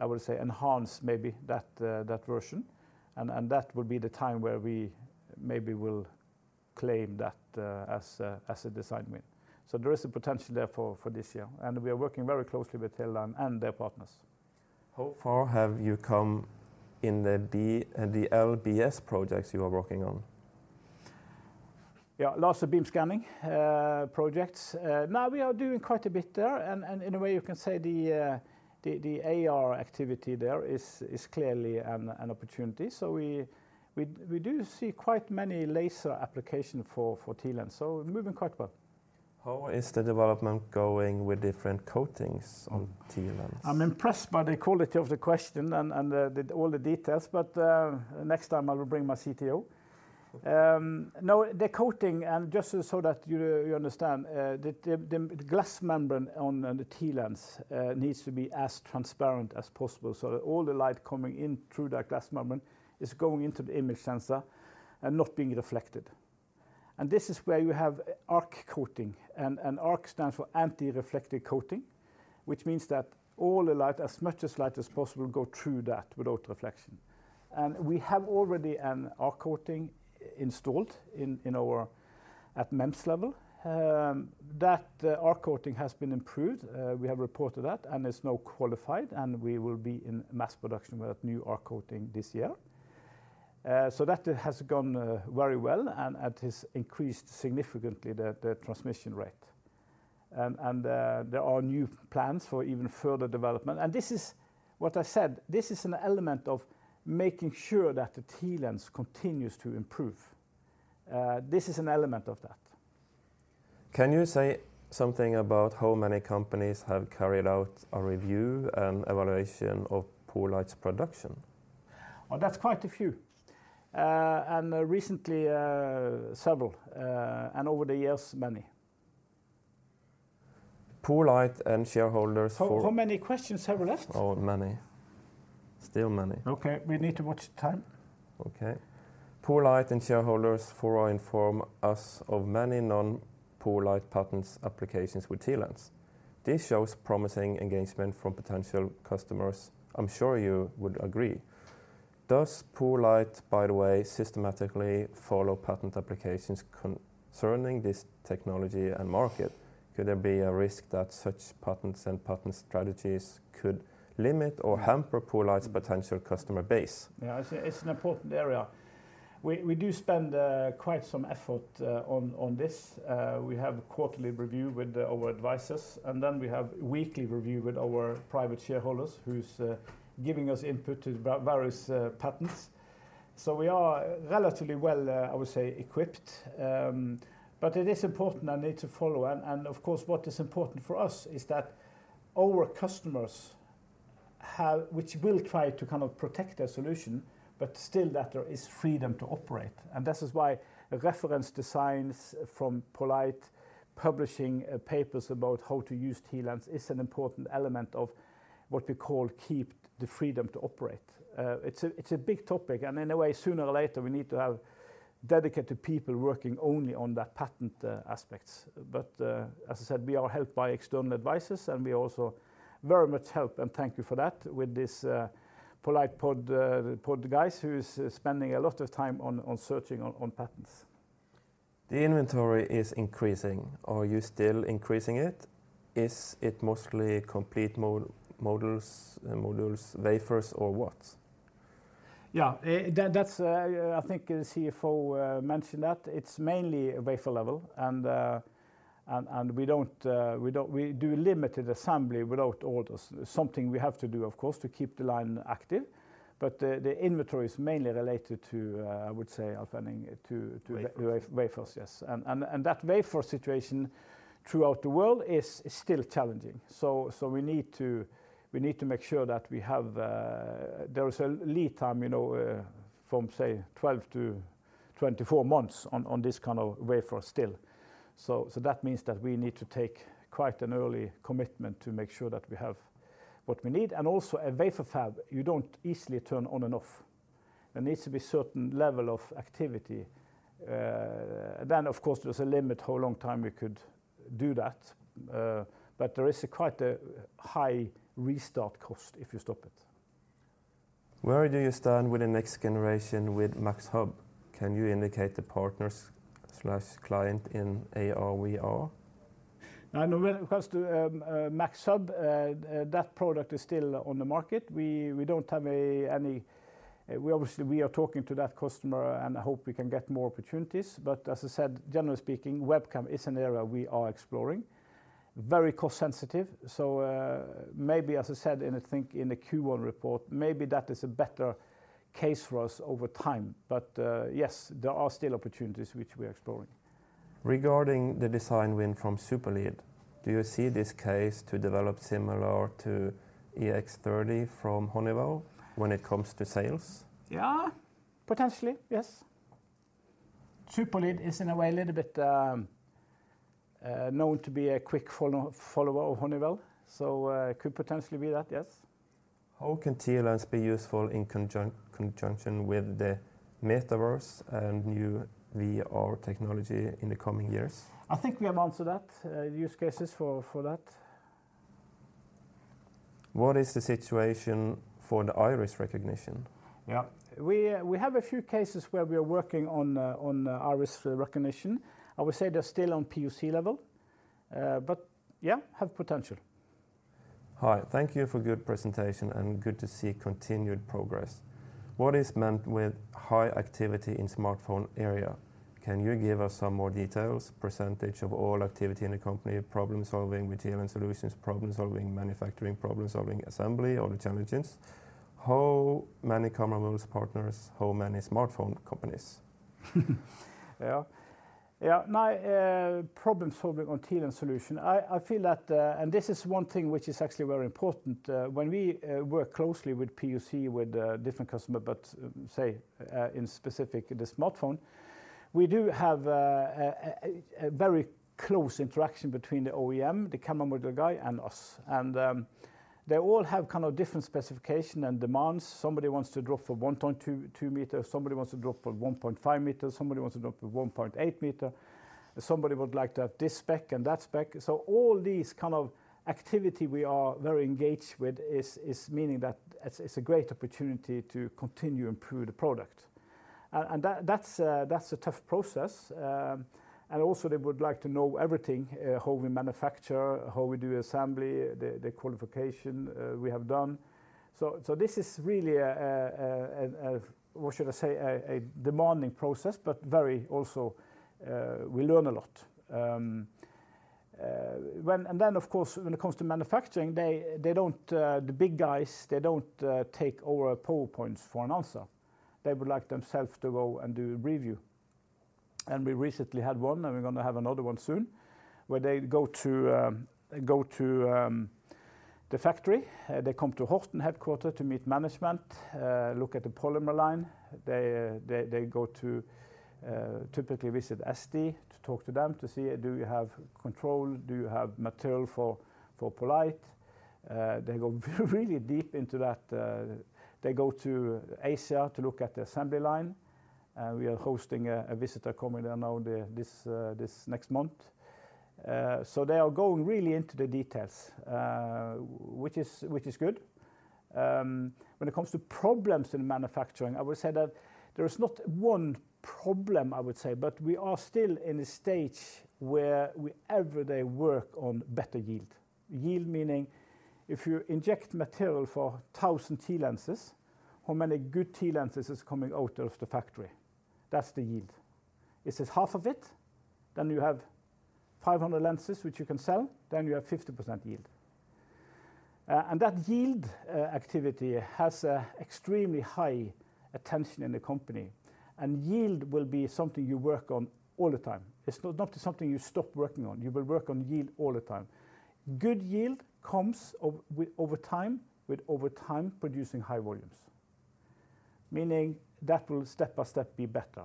Speaker 1: I would say enhance maybe that version. That will be the time where we maybe will claim that as a design win. There is a potential there for this year, and we are working very closely with Teledyne and their partners.
Speaker 2: How far have you come in the LBS projects you are working on?
Speaker 1: Yeah, laser beam scanning projects. Now we are doing quite a bit there, and in a way you can say the AR activity there is clearly an opportunity. We do see quite many laser application for TLens. Moving quite well.
Speaker 2: How is the development going with different coatings on TLens?
Speaker 1: I'm impressed by the quality of the question and all the details, but next time I will bring my CTO. No, the coating and just so that you understand, the glass membrane on the TLens needs to be as transparent as possible, so that all the light coming in through that glass membrane is going into the image sensor and not being reflected. This is where you have ARC coating. ARC stands for anti-reflective coating, which means that as much light as possible go through that without reflection. We have already an ARC coating installed in our at MEMS level. That ARC coating has been improved. We have reported that, and it's now qualified, and we will be in mass production with new ARC coating this year. That has gone very well, and there are new plans for even further development. This is what I said. This is an element of making sure that the TLens continues to improve. This is an element of that.
Speaker 2: Can you say something about how many companies have carried out a review and evaluation of poLight's production?
Speaker 1: Well, that's quite a few. Recently, several, and over the years, many.
Speaker 2: poLight and shareholders for-
Speaker 1: How many questions have we left?
Speaker 2: Oh, many still many.
Speaker 1: Okay. We need to watch the time.
Speaker 2: Okay. poLight and shareholders' forum inform us of many non-poLight patent applications with TLens. This shows promising engagement from potential customers, I'm sure you would agree. Does poLight, by the way, systematically follow patent applications concerning this technology and market? Could there be a risk that such patents and patent strategies could limit or hamper poLight's potential customer base?
Speaker 1: Yeah. It's an important area. We do spend quite some effort on this. We have quarterly review with our advisors, and then we have weekly review with our private shareholders who's giving us input to various patents. So we are relatively well, I would say, equipped. It is important and need to follow. Of course, what is important for us is that our customers have, which will try to kind of protect their solution, but still that there is freedom to operate. This is why reference designs from poLight, publishing papers about how to use TLens is an important element of what we call keep the freedom to operate. It's a big topic, and in a way, sooner or later, we need to have dedicated people working only on that patent aspects. As I said, we are helped by external advisors, and we also very much help, and thank you for that, with this poLight pod guys who's spending a lot of time on searching patents.
Speaker 2: The inventory is increasing. Are you still increasing it? Is it mostly complete modules, wafers or what?
Speaker 1: Yeah. That's, I think the CFO mentioned that. It's mainly wafer-level and we do limited assembly without orders. Something we have to do, of course, to keep the line active. The inventory is mainly related to, I would say, Alf Henning Bekkevik, to
Speaker 2: Wafers.
Speaker 1: The wafers, yes. That wafer situation throughout the world is still challenging. We need to make sure that we have. There is a lead time, you know, from say 12-24 months on this kind of wafer still. That means that we need to take quite an early commitment to make sure that we have what we need. Also, a wafer fab, you don't easily turn on and off. There needs to be certain level of activity. Of course, there's a limit how long time we could do that. There is quite a high restart cost if you stop it.
Speaker 2: Where do you stand with the next generation with MAXHUB? Can you indicate the partners/client in AR/VR?
Speaker 1: Now, when it comes to MAXHUB, that product is still on the market. We don't have any. We obviously are talking to that customer, and I hope we can get more opportunities. As I said, generally speaking, webcam is an area we are exploring. Very cost sensitive. Maybe, as I said, in I think in the Q1 report, maybe that is a better case for us over time. Yes, there are still opportunities which we are exploring.
Speaker 2: Regarding the design win from Superlead, do you see this case to develop similar to EX30 from Honeywell when it comes to sales?
Speaker 1: Yeah. Potentially, yes. Superlead is in a way a little bit known to be a quick follower of Honeywell, so could potentially be that, yes.
Speaker 2: How can TLens be useful in conjunction with the metaverse and new VR technology in the coming years?
Speaker 1: I think we have answered that, use cases for that.
Speaker 2: What is the situation for the iris recognition?
Speaker 1: Yeah. We have a few cases where we are working on iris recognition. I would say they're still on POC level, but yeah, have potential.
Speaker 2: Hi. Thank you for good presentation. Good to see continued progress. What is meant with high activity in smartphone area? Can you give us some more details, percentage of all activity in the company, problem-solving with TLens solutions, problem-solving manufacturing, problem-solving assembly, or the challenges? How many camera module partners? How many smartphone companies?
Speaker 1: Yeah. My problem-solving on TLens solution, I feel that, and this is one thing which is actually very important, when we work closely with POC with different customers, but say, specifically the smartphone, we do have a very close interaction between the OEM, the camera module guy, and us. They all have kind of different specifications and demands. Somebody wants to drop from 1.2 m to 2 m, somebody wants to drop from 1.5 m, somebody wants to drop from 1.8 m. Somebody would like to have this spec and that spec. All these kind of activity we are very engaged with is meaning that it's a great opportunity to continue improve the product. That's a tough process. They would like to know everything, how we manufacture, how we do assembly, the qualifications we have done. This is really a demanding process, but very also we learn a lot. Of course, when it comes to manufacturing, the big guys don't take our PowerPoints for an answer. They would like themselves to go and do a review. We recently had one, and we're gonna have another one soon, where they go to the factory. They come to Horten headquarters to meet management, look at the polymer line. They typically visit SD to talk to them, to see do you have control, do you have material for poLight. They go really deep into that. They go to Asia to look at the assembly line. We are hosting a visitor coming there now this next month. They are going really into the details, which is good. When it comes to problems in manufacturing, I would say that there is not one problem, but we are still in a stage where we every day work on better yield. Yield meaning if you inject material for 1,000 TLens, how many good TLens is coming out of the factory? That's the yield. Is it half of it? You have 500 lenses, which you can sell, then you have 50% yield. That yield activity has an extremely high attention in the company, and yield will be something you work on all the time. It's not something you stop working on. You will work on yield all the time. Good yield comes over time, with over time producing high-volumes. Meaning that will step by step be better.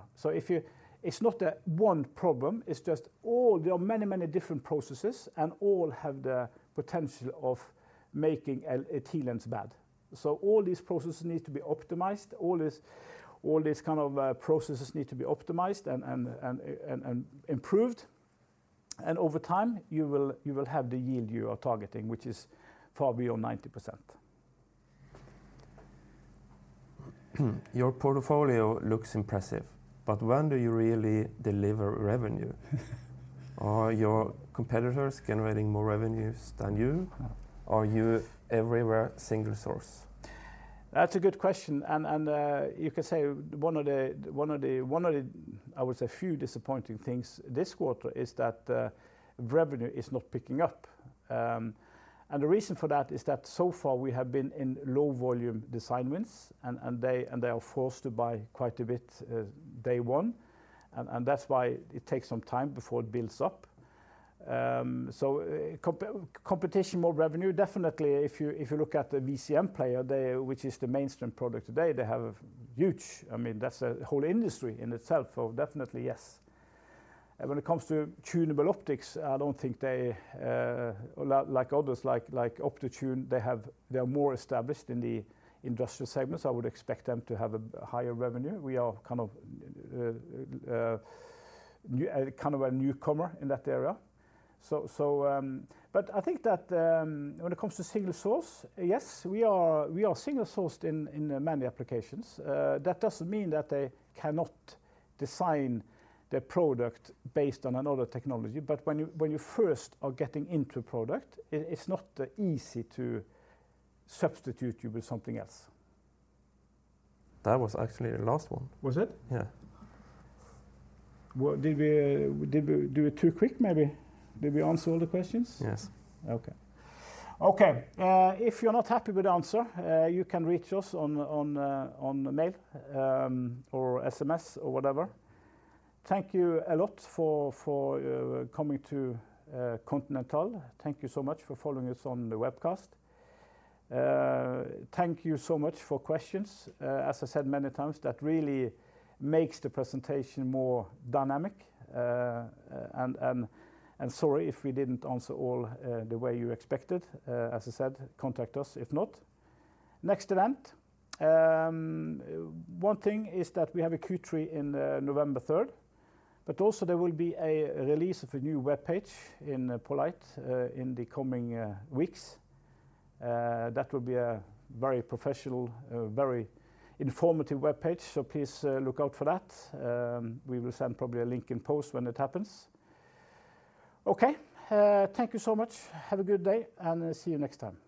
Speaker 1: It's not a one problem, it's just all the many, many different processes and all have the potential of making a TLens bad. All these processes need to be optimized and improved, and over time you will have the yield you are targeting, which is far beyond 90%.
Speaker 2: Your portfolio looks impressive, but when do you really deliver revenue? Are your competitors generating more revenues than you? Are you everywhere single source?
Speaker 1: That's a good question. You could say one of the, I would say, few disappointing things this quarter is that revenue is not picking up. The reason for that is that so far we have been in low-volume design wins, and they are forced to buy quite a bit day one, and that's why it takes some time before it builds up. Competition, more revenue, definitely if you look at the VCM player, they, which is the mainstream product today, they have huge. I mean, that's a whole industry in itself. Definitely yes. When it comes to tunable optics, I don't think they like others like Optotune they have, they're more established in the industrial segments. I would expect them to have a higher revenue. We are kind of a newcomer in that area. I think that when it comes to single source, yes, we are single sourced in many applications. That doesn't mean that they cannot design their product based on another technology. When you first are getting into production, it's not easy to substitute you with something else.
Speaker 2: That was actually the last one.
Speaker 1: Was it?
Speaker 2: Yeah.
Speaker 1: Well, did we do it too quick maybe? Did we answer all the questions?
Speaker 2: Yes.
Speaker 1: Okay. If you're not happy with the answer, you can reach us on mail or SMS, or whatever. Thank you a lot for coming to Continental. Thank you so much for following us on the webcast. Thank you so much for questions. As I said many times, that really makes the presentation more dynamic. Sorry if we didn't answer all the way you expected. As I said, contact us if not. Next event, one thing is that we have a Q3 in November third, but also there will be a release of a new webpage in poLight in the coming weeks. That will be a very professional, a very informative webpage, so please look out for that. We will send probably a link in a post when it happens. Okay, thank you so much. Have a good day, and see you next time.